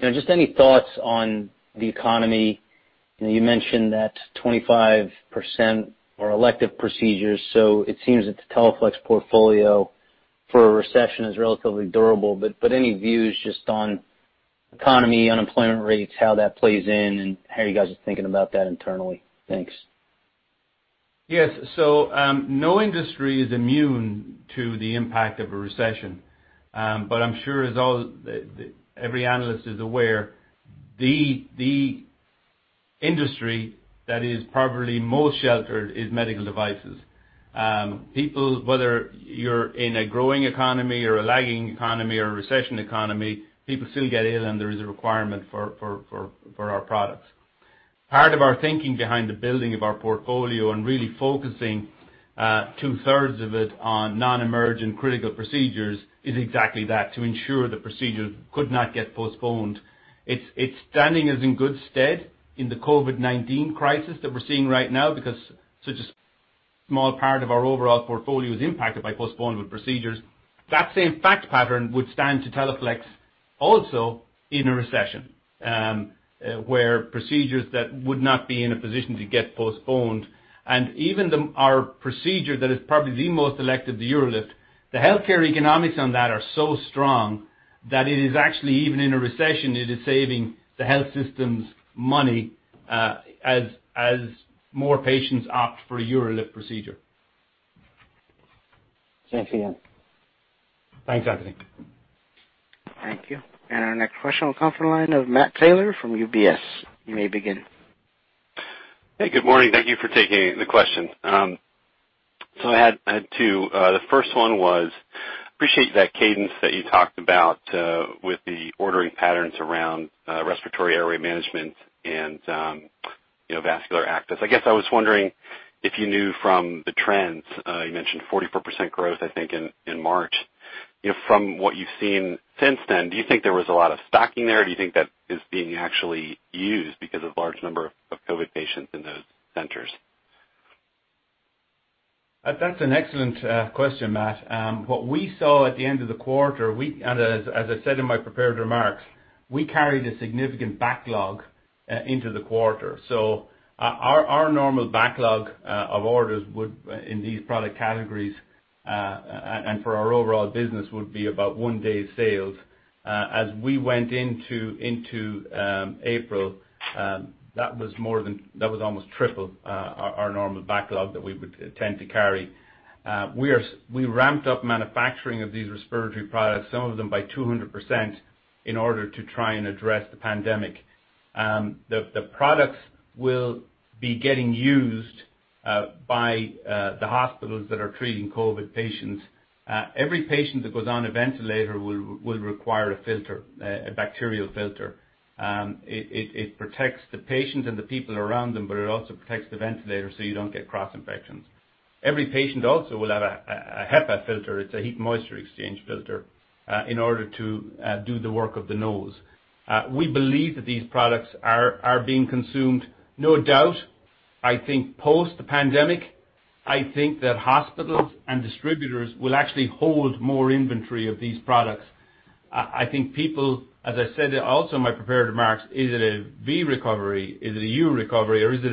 just any thoughts on the economy? You mentioned that 25% are elective procedures, it seems that the Teleflex portfolio for a recession is relatively durable. Any views just on economy, unemployment rates, how that plays in, and how you guys are thinking about that internally? Thanks. Yes. No industry is immune to the impact of a recession. I'm sure every analyst is aware the industry that is probably most sheltered is medical devices. Whether you're in a growing economy or a lagging economy or a recession economy, people still get ill and there is a requirement for our products. Part of our thinking behind the building of our portfolio and really focusing 2/3 of it on non-emergent critical procedures is exactly that, to ensure the procedure could not get postponed. It's standing us in good stead in the COVID-19 crisis that we're seeing right now because such a small part of our overall portfolio is impacted by postponement procedures. That same fact pattern would stand to Teleflex also in a recession, where procedures that would not be in a position to get postponed. Even our procedure that is probably the most elective, the UroLift, the healthcare economics on that are so strong that it is actually, even in a recession, it is saving the health systems money as more patients opt for a UroLift procedure. Thanks again. Thanks, Anthony. Thank you. Our next question will come from the line of Matt Taylor from UBS. You may begin. Hey, good morning. Thank you for taking the questions. I had two. The first one was, appreciate that cadence that you talked about with the ordering patterns around respiratory airway management and vascular access. I guess I was wondering if you knew from the trends, you mentioned 44% growth, I think, in March. From what you've seen since then, do you think there was a lot of stocking there, or do you think that is being actually used because of large number of COVID patients in those centers? That's an excellent question, Matt. What we saw at the end of the quarter, and as I said in my prepared remarks, we carried a significant backlog into the quarter. Our normal backlog of orders in these product categories, and for our overall business would be about one day of sales. As we went into April, that was almost triple our normal backlog that we would tend to carry. We ramped up manufacturing of these respiratory products, some of them by 200%, in order to try and address the pandemic. The products will be getting used by the hospitals that are treating COVID patients. Every patient that goes on a ventilator will require a filter, a bacterial filter. It protects the patient and the people around them, but it also protects the ventilator so you don't get cross-infections. Every patient also will have a HME filter, it's a heat moisture exchange filter, in order to do the work of the nose. We believe that these products are being consumed, no doubt. I think post the pandemic, I think that hospitals and distributors will actually hold more inventory of these products. I think people, as I said also in my prepared remarks, is it a V recovery? Is it a U recovery, or is it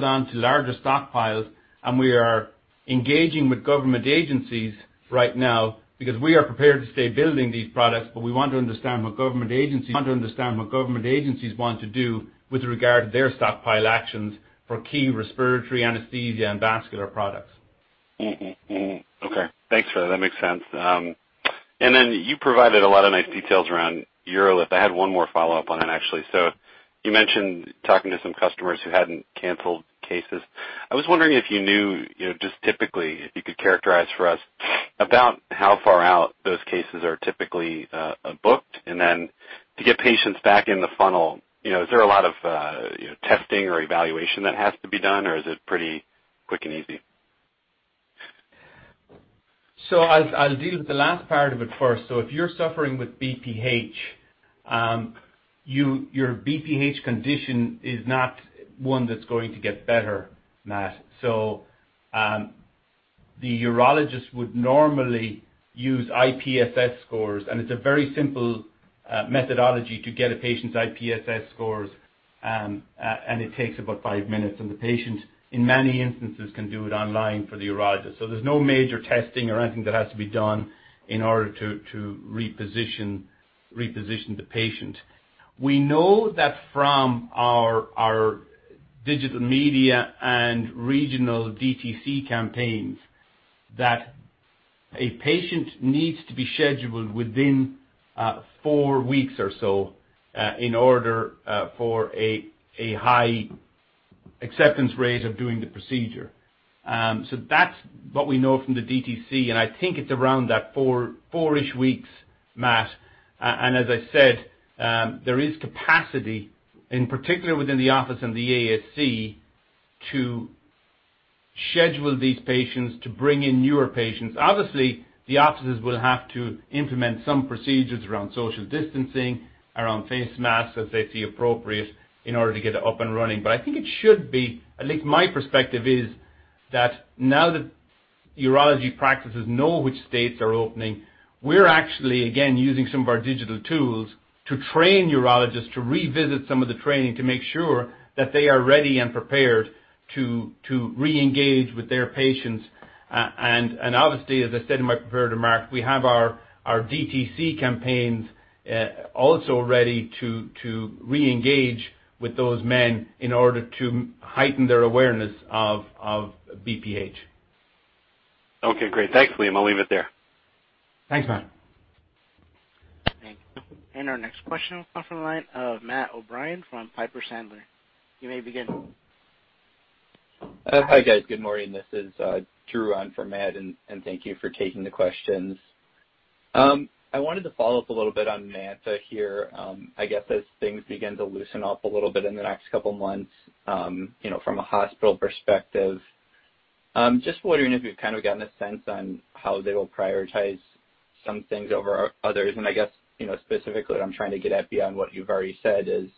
down to larger stockpiles, and we are engaging with government agencies right now because we are prepared to stay building these products, but we want to understand what government agencies want to do with regard to their stockpile actions for key respiratory anesthesia and vascular products. Mm-hmm. Okay. Thanks for that. That makes sense. Then you provided a lot of nice details around UroLift. I had one more follow-up on it, actually. You mentioned talking to some customers who hadn't canceled cases. I was wondering if you knew, just typically, if you could characterize for us about how far out those cases are typically booked and then to get patients back in the funnel. Is there a lot of testing or evaluation that has to be done, or is it pretty quick and easy? I'll deal with the last part of it first. If you're suffering with BPH, your BPH condition is not one that's going to get better, Matt. The urologist would normally use IPSS scores, and it's a very simple methodology to get a patient's IPSS scores. It takes about five minutes, and the patient, in many instances, can do it online for the urologist. There's no major testing or anything that has to be done in order to reposition the patient. We know that from our digital media and regional DTC campaigns that a patient needs to be scheduled within four weeks or so in order for a high acceptance rate of doing the procedure. That's what we know from the DTC, and I think it's around that four-ish weeks, Matt. As I said, there is capacity, in particular within the office and the ASC, to schedule these patients to bring in newer patients. Obviously, the offices will have to implement some procedures around social distancing, around face masks as they see appropriate in order to get it up and running. I think it should be, at least my perspective is that now that urology practices know which states are opening, we're actually, again, using some of our digital tools to train urologists to revisit some of the training to make sure that they are ready and prepared to reengage with their patients. Obviously, as I said in my prepared remark, we have our DTC campaigns also ready to reengage with those men in order to heighten their awareness of BPH. Okay, great. Thanks, Liam. I'll leave it there. Thanks, Matt. Thank you. Our next question will come from the line of Matt O'Brien from Piper Sandler. You may begin. Hi, guys. Good morning. This is [Drew] on for Matt, and thank you for taking the questions. I wanted to follow up a little bit on MANTA here. I guess as things begin to loosen up a little bit in the next couple of months, from a hospital perspective, just wondering if you've kind of gotten a sense on how they will prioritize some things over others. I guess, specifically what I'm trying to get at beyond what you've already said is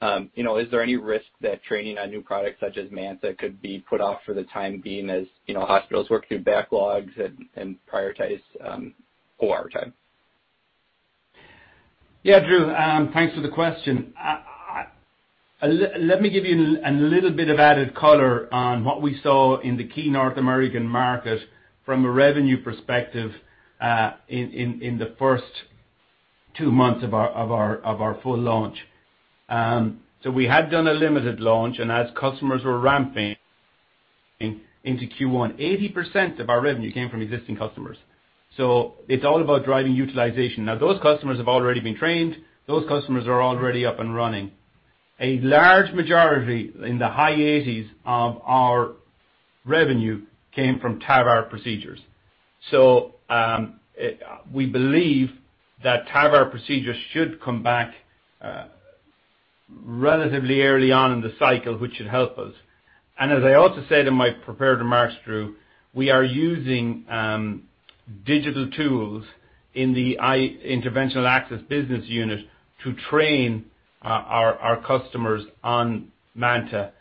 there any risk that training on new products such as MANTA could be put off for the time being, as hospitals work through backlogs and prioritize OR time? Yeah, [Drew]. Thanks for the question. Let me give you a little bit of added color on what we saw in the key North American market from a revenue perspective, in the first two months of our full launch. We had done a limited launch, and as customers were ramping into Q1, 80% of our revenue came from existing customers. It's all about driving utilization. Now, those customers have already been trained. Those customers are already up and running. A large majority, in the high 80s of our revenue came from TAVR procedures. We believe that TAVR procedures should come back relatively early on in the cycle, which should help us. As I also said in my prepared remarks, Drew, we are using digital tools in the Interventional Access business unit to train our customers on MANTA.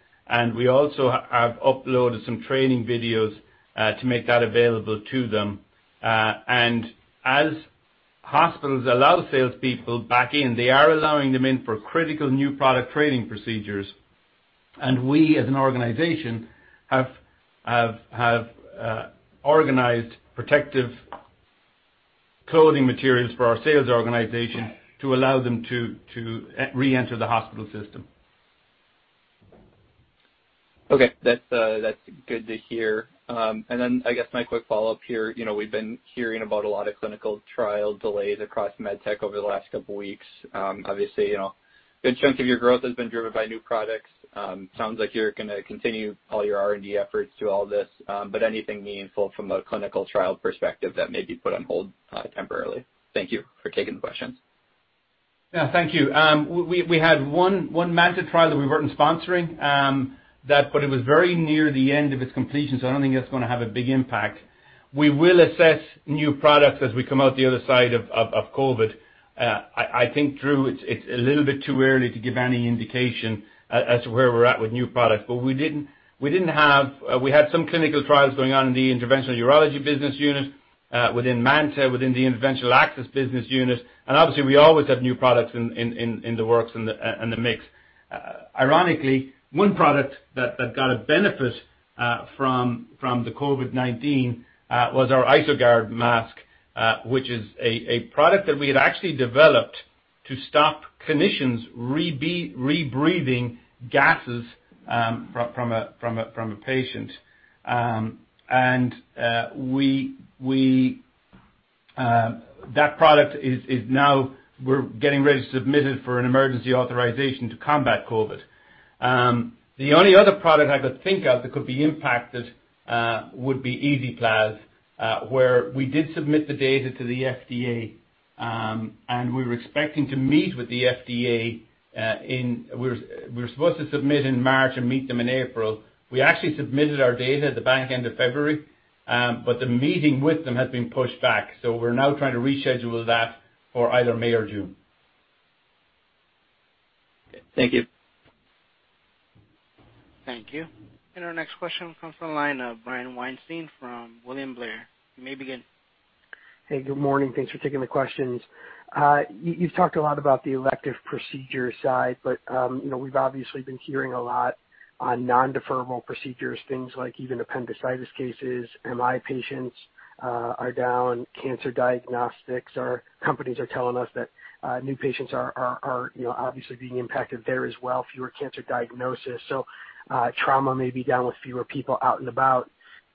We also have uploaded some training videos to make that available to them. As hospitals allow salespeople back in, they are allowing them in for critical new product training procedures. We, as an organization, have organized protective clothing materials for our sales organization to allow them to reenter the hospital system. Okay. That's good to hear. I guess my quick follow-up here. We've been hearing about a lot of clinical trial delays across med tech over the last couple of weeks. Obviously, good chunk of your growth has been driven by new products. Sounds like you're going to continue all your R&D efforts through all this. Anything meaningful from a clinical trial perspective that may be put on hold temporarily? Thank you for taking the questions. Yeah. Thank you. We had one MANTA trial that we weren't sponsoring, but it was very near the end of its completion, I don't think that's going to have a big impact. We will assess new products as we come out the other side of COVID. I think, Drew, it's a little bit too early to give any indication as to where we're at with new products. We had some clinical trials going on in the Interventional Urology business unit. Within MANTA, within the Interventional Access business unit. Obviously, we always have new products in the works and the mix. Ironically, one product that got a benefit from the COVID-19 was our ISO-Gard mask, which is a product that we had actually developed to stop clinicians re-breathing gases from a patient. That product is now, we're getting ready to submit it for an emergency authorization to combat COVID. The only other product I could think of that could be impacted would be EasyPlaz, where we did submit the data to the FDA, and we were expecting to meet with the FDA. We were supposed to submit in March and meet them in April. We actually submitted our data at the back end of February, but the meeting with them has been pushed back. We're now trying to reschedule that for either May or June. Okay. Thank you. Thank you. Our next question comes from the line of Brian Weinstein from William Blair. You may begin. Hey, good morning. Thanks for taking the questions. You've talked a lot about the elective procedure side, but we've obviously been hearing a lot on non-deferrable procedures, things like even appendicitis cases, MI patients are down, cancer diagnostics. Companies are telling us that new patients are obviously being impacted there as well, fewer cancer diagnosis. Trauma may be down with fewer people out and about.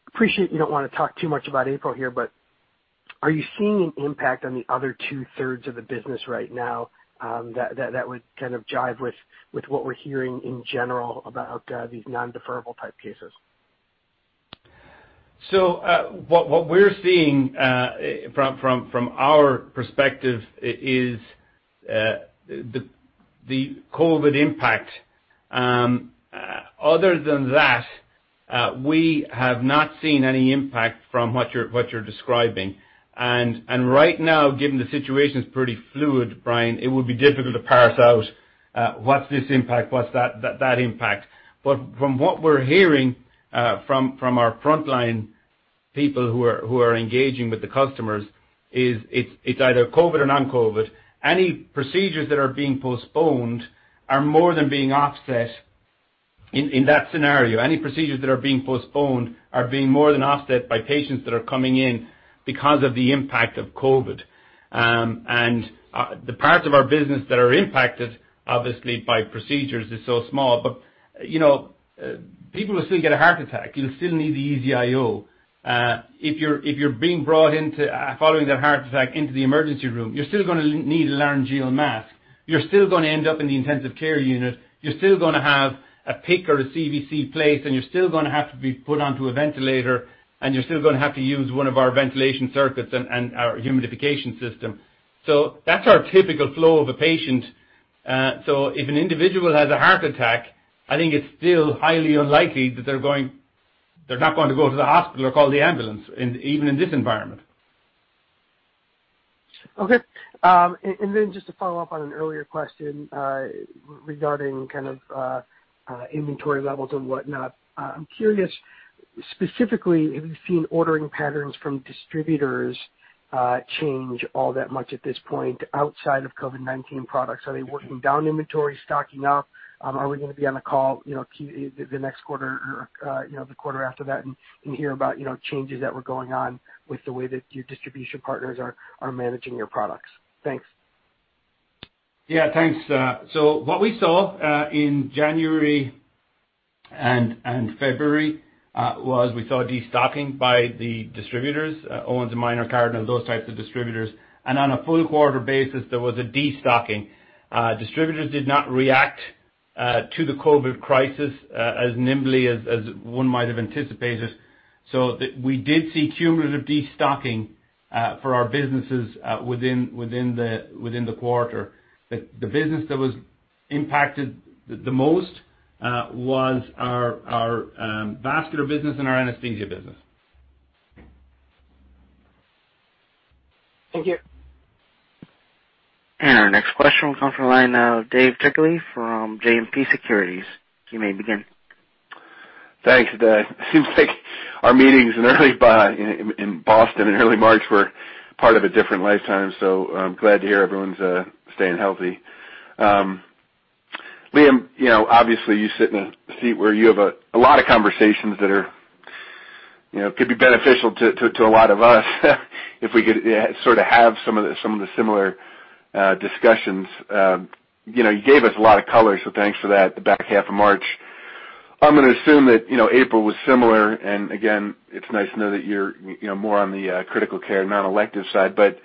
Appreciate you don't want to talk too much about April here, but are you seeing an impact on the other 2/3 of the business right now that would kind of jive with what we're hearing in general about these non-deferrable type cases? What we're seeing from our perspective is the COVID impact. Other than that, we have not seen any impact from what you're describing. Right now, given the situation's pretty fluid, Brian, it would be difficult to parse out what's this impact, what's that impact. From what we're hearing from our frontline people who are engaging with the customers is it's either COVID or non-COVID. Any procedures that are being postponed are more than being offset in that scenario. Any procedures that are being postponed are being more than offset by patients that are coming in because of the impact of COVID. The parts of our business that are impacted, obviously, by procedures is so small. People will still get a heart attack. You'll still need the EZ-IO. If you're being brought into, following that heart attack, into the emergency room, you're still going to need a laryngeal mask. You're still going to end up in the intensive care unit. You're still going to have a PICC or a CVC placed, and you're still going to have to be put onto a ventilator, and you're still going to have to use one of our ventilation circuits and our humidification system. That's our typical flow of a patient. If an individual has a heart attack, I think it's still highly unlikely that they're not going to go to the hospital or call the ambulance, even in this environment. Okay. Then just to follow up on an earlier question regarding kind of inventory levels and whatnot. I'm curious, specifically, if you've seen ordering patterns from distributors change all that much at this point outside of COVID-19 products. Are they working down inventory, stocking up? Are we going to be on a call the next quarter or the quarter after that and hear about changes that were going on with the way that your distribution partners are managing your products? Thanks. Yeah. Thanks. What we saw in January and February was we saw destocking by the distributors, Owens & Minor, Cardinal, those types of distributors. On a full quarter basis, there was a destocking. Distributors did not react to the COVID crisis as nimbly as one might have anticipated. We did see cumulative destocking for our businesses within the quarter. The business that was impacted the most was our vascular business and our anesthesia business. Thank you. Our next question will come from the line of Dave Turkaly from JMP Securities. You may begin. Thanks, Jake. It seems like our meetings in Boston in early March were part of a different lifetime, so I'm glad to hear everyone's staying healthy. Liam, obviously, you sit in a seat where you have a lot of conversations that could be beneficial to a lot of us if we could sort of have some of the similar discussions. You gave us a lot of color, so thanks for that, the back half of March. I'm going to assume that April was similar, and again, it's nice to know that you're more on the critical care, non-elective side. But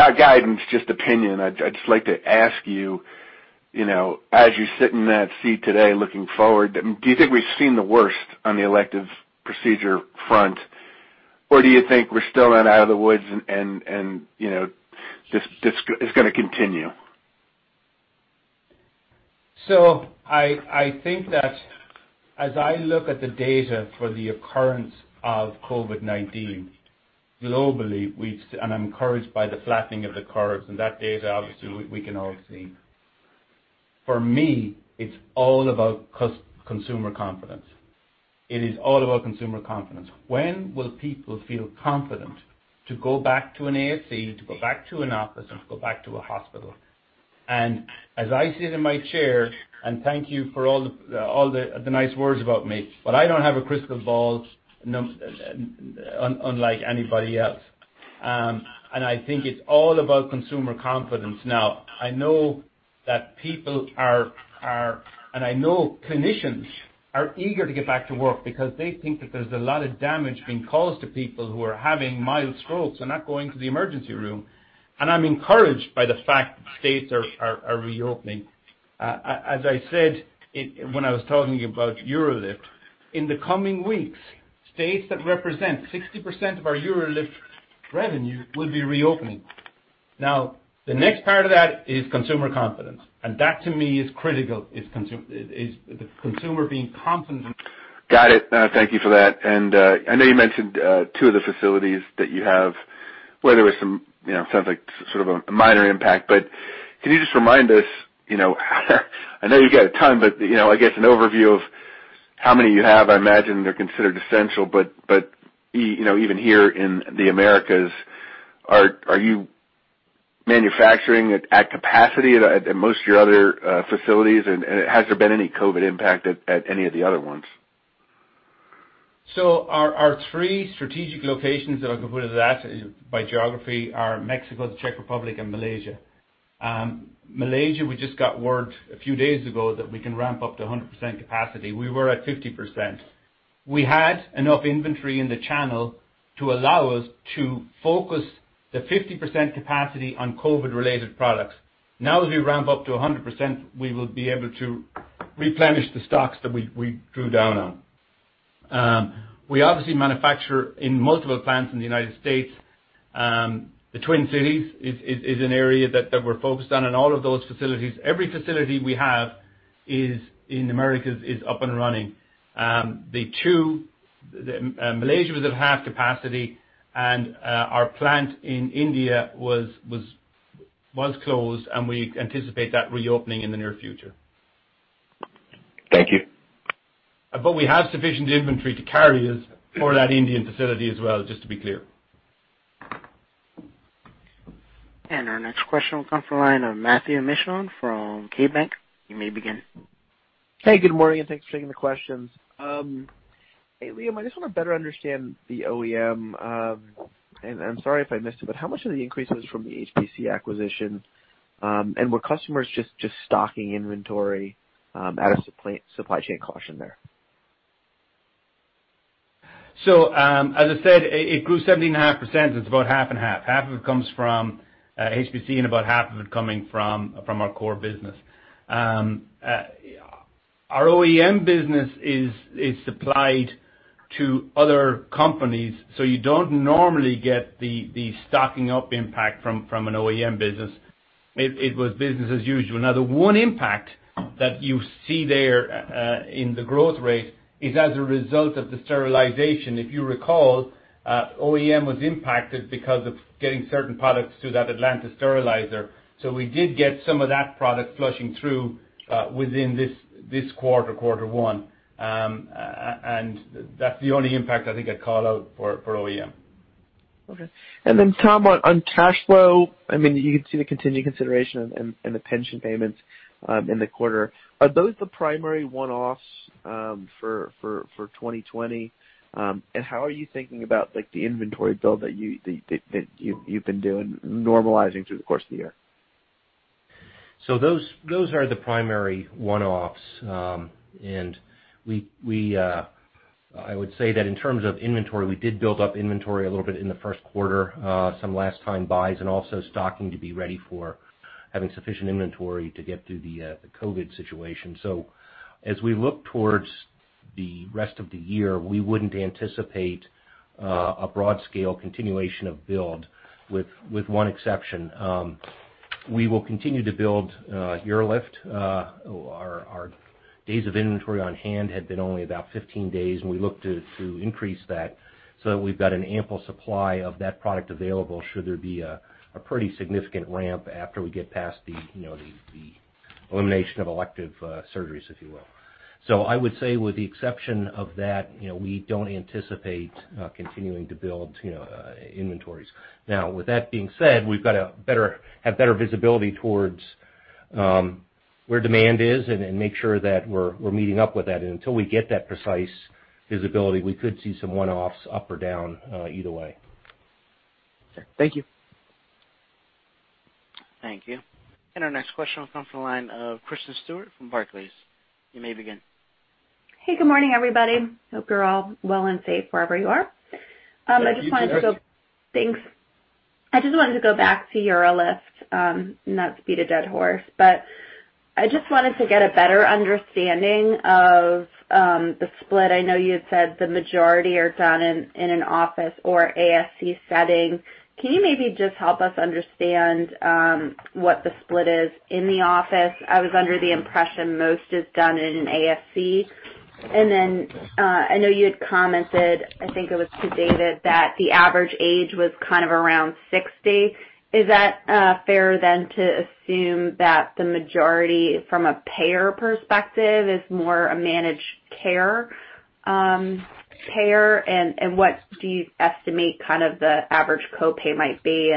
not guidance, just opinion, I'd just like to ask you, as you sit in that seat today looking forward, do you think we've seen the worst on the elective procedure front, or do you think we're still not out of the woods and this is going to continue? I think that as I look at the data for the occurrence of COVID-19 globally, I'm encouraged by the flattening of the curves and that data, obviously, we can all see. For me, it's all about consumer confidence. It is all about consumer confidence. When will people feel confident to go back to an ASC, to go back to an office, and go back to a hospital? As I sit in my chair, and thank you for all the nice words about me, but I don't have a crystal ball, unlike anybody else. I think it's all about consumer confidence. Now, I know that people are, and I know clinicians are eager to get back to work because they think that there's a lot of damage being caused to people who are having mild strokes and not going to the emergency room. I'm encouraged by the fact that states are reopening. As I said when I was talking about UroLift, in the coming weeks, states that represent 60% of our UroLift revenue will be reopening. The next part of that is consumer confidence, and that to me is critical, is the consumer being confident. Got it. Thank you for that. I know you mentioned two of the facilities that you have, where there was some, sounds like sort of a minor impact. Can you just remind us, I know you got time, but I guess an overview of how many you have. I imagine they're considered essential, even here in the Americas, are you manufacturing at capacity at most of your other facilities, and has there been any COVID-19 impact at any of the other ones? Our three strategic locations, if I can put it at that, by geography, are Mexico, the Czech Republic, and Malaysia. Malaysia, we just got word a few days ago that we can ramp up to 100% capacity. We were at 50%. We had enough inventory in the channel to allow us to focus the 50% capacity on COVID-related products. As we ramp up to 100%, we will be able to replenish the stocks that we drew down on. We obviously manufacture in multiple plants in the U.S. The Twin Cities is an area that we're focused on, and all of those facilities. Every facility we have in the Americas is up and running. Malaysia was at half capacity, and our plant in India was closed, and we anticipate that reopening in the near future. Thank you. We have sufficient inventory to carry us for that Indian facility as well, just to be clear. Our next question will come from the line of Matthew Mishan from KeyBanc. You may begin. Hey, good morning, and thanks for taking the questions. Hey, Liam, I just want to better understand the OEM. I'm sorry if I missed it, but how much of the increase was from the HPC acquisition? Were customers just stocking inventory out of supply chain caution there? As I said, it grew 17.5%, it's about half and half. Half of it comes from HPC and about half of it coming from our core business. Our OEM business is supplied to other companies, so you don't normally get the stocking up impact from an OEM business. It was business as usual. Now, the one impact that you see there in the growth rate is as a result of the sterilization. If you recall, OEM was impacted because of getting certain products to that Atlanta sterilizer. We did get some of that product flushing through within this quarter one. That's the only impact I think I'd call out for OEM. Okay. Tom, on cash flow, you can see the continuing consideration and the pension payments in the quarter. Are those the primary one-offs for 2020? How are you thinking about the inventory build that you've been doing normalizing through the course of the year? Those are the primary one-offs. I would say that in terms of inventory, we did build up inventory a little bit in the first quarter, some last-time buys and also stocking to be ready for having sufficient inventory to get through the COVID-19 situation. As we look towards the rest of the year, we wouldn't anticipate a broad scale continuation of build with one exception. We will continue to build UroLift. Our days of inventory on hand had been only about 15 days, and we look to increase that so that we've got an ample supply of that product available should there be a pretty significant ramp after we get past the elimination of elective surgeries, if you will. I would say with the exception of that, we don't anticipate continuing to build inventories. Now, with that being said, we've got to have better visibility towards where demand is and make sure that we're meeting up with that. Until we get that precise visibility, we could see some one-offs up or down, either way. Sure. Thank you. Thank you. Our next question will come from the line of Kristen Stewart from Barclays. You may begin. Hey, good morning, everybody. Hope you're all well and safe wherever you are. Thank you. You too. Thanks. I just wanted to go back to UroLift, not to beat a dead horse, but I just wanted to get a better understanding of the split. I know you had said the majority are done in an office or ASC setting. Can you maybe just help us understand what the split is in the office? I was under the impression most is done in an ASC. Then I know you had commented, I think it was to David, that the average age was kind of around 60. Is that fair then to assume that the majority, from a payer perspective, is more a managed care payer? What do you estimate kind of the average copay might be?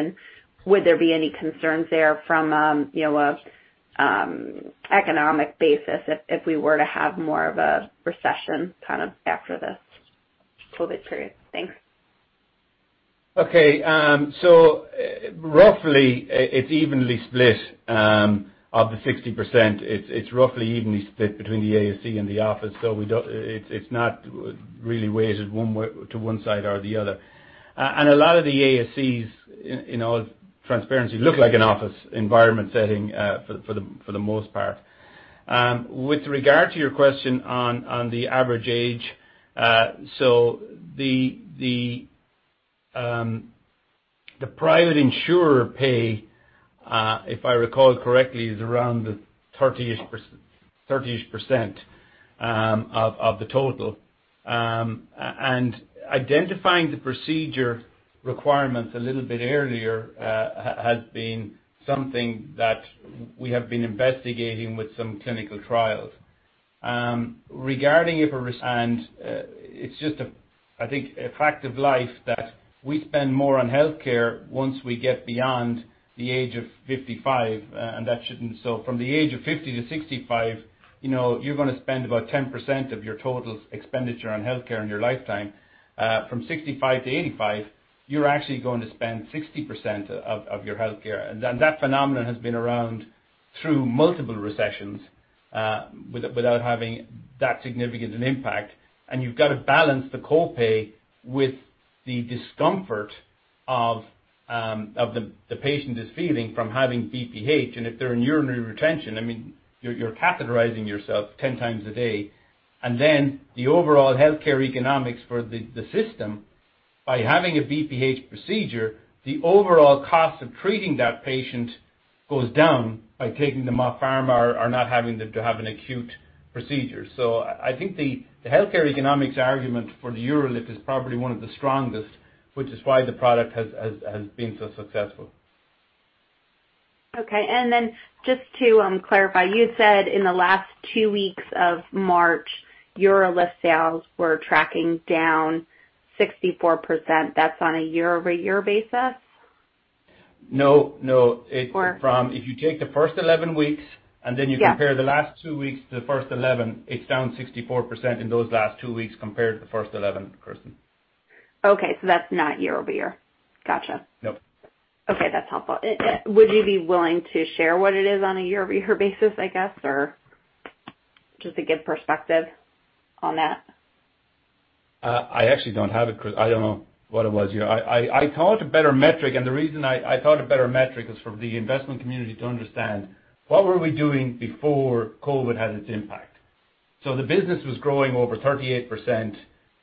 Would there be any concerns there from an economic basis if we were to have more of a recession kind of after this COVID-19 period? Thanks. Okay. Roughly, it's evenly split. Of the 60%, it's roughly evenly split between the ASC and the office. It's not really weighted to one side or the other. A lot of the ASCs, in all transparency, look like an office environment setting for the most part. With regard to your question on the average age, so the private insurer pay, if I recall correctly, is around the 30% of the total. Identifying the procedure requirements a little bit earlier has been something that we have been investigating with some clinical trials. It's just, I think, a fact of life that we spend more on healthcare once we get beyond the age of 55. From the age of 50-65, you're going to spend about 10% of your total expenditure on healthcare in your lifetime. From 65-85, you're actually going to spend 60% of your healthcare. That phenomenon has been around through multiple recessions without having that significant an impact. You've got to balance the copay with the discomfort of the patient is feeling from having BPH, and if they're in urinary retention, you're catheterizing yourself 10 times a day. Then the overall healthcare economics for the system by having a BPH procedure, the overall cost of treating that patient goes down by taking them off pharma or not having them to have an acute procedure. I think the healthcare economics argument for the UroLift is probably one of the strongest, which is why the product has been so successful. Okay. Just to clarify, you said in the last two weeks of March, UroLift sales were tracking down 64%. That's on a year-over-year basis? No. If you take the first 11 weeks and then compare the last two weeks to the first 11, it's down 64% in those last two weeks compared to the first 11, Kristen. Yeah. Okay, that's not year-over-year. Got you. Nope. Okay, that's helpful. Would you be willing to share what it is on a year-over-year basis, I guess? Just to give perspective on that. I actually don't have it, Kristen. I don't know what it was. I thought a better metric, the reason I thought a better metric is for the investment community to understand what were we doing before COVID had its impact. The business was growing over 38%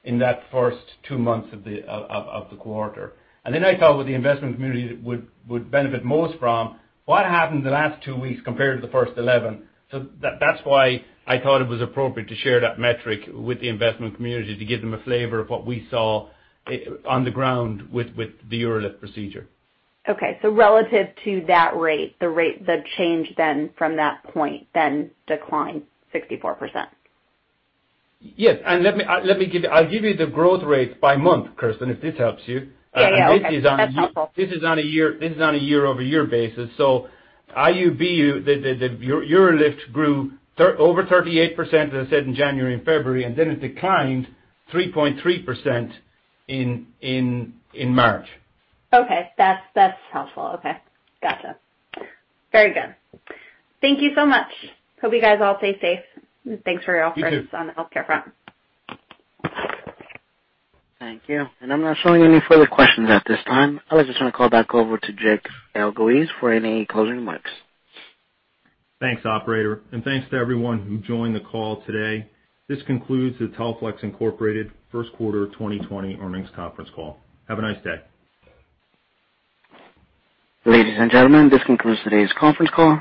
in that first two months of the quarter. Then I thought what the investment community would benefit most from, what happened the last two weeks compared to the first 11? That's why I thought it was appropriate to share that metric with the investment community to give them a flavor of what we saw on the ground with the UroLift procedure. Okay. Relative to that rate, the change then from that point then declined 64%. Yes. I'll give you the growth rate by month, Kristen, if this helps you. Yeah. Okay. That's helpful. This is on a year-over-year basis. IU, the UroLift grew over 38%, as I said, in January and February, and then it declined 3.3% in March. Okay. That's helpful. Okay. Got you. Very good. Thank you so much. Hope you guys all stay safe, and thanks for your efforts on the healthcare front. You too. Thank you. I'm not showing any further questions at this time. I would just want to call back over to Jake Elguicze for any closing remarks. Thanks, operator, and thanks to everyone who joined the call today. This concludes the Teleflex Incorporated First Quarter 2020 Earnings Conference Call. Have a nice day. Ladies and gentlemen, this concludes today's conference call.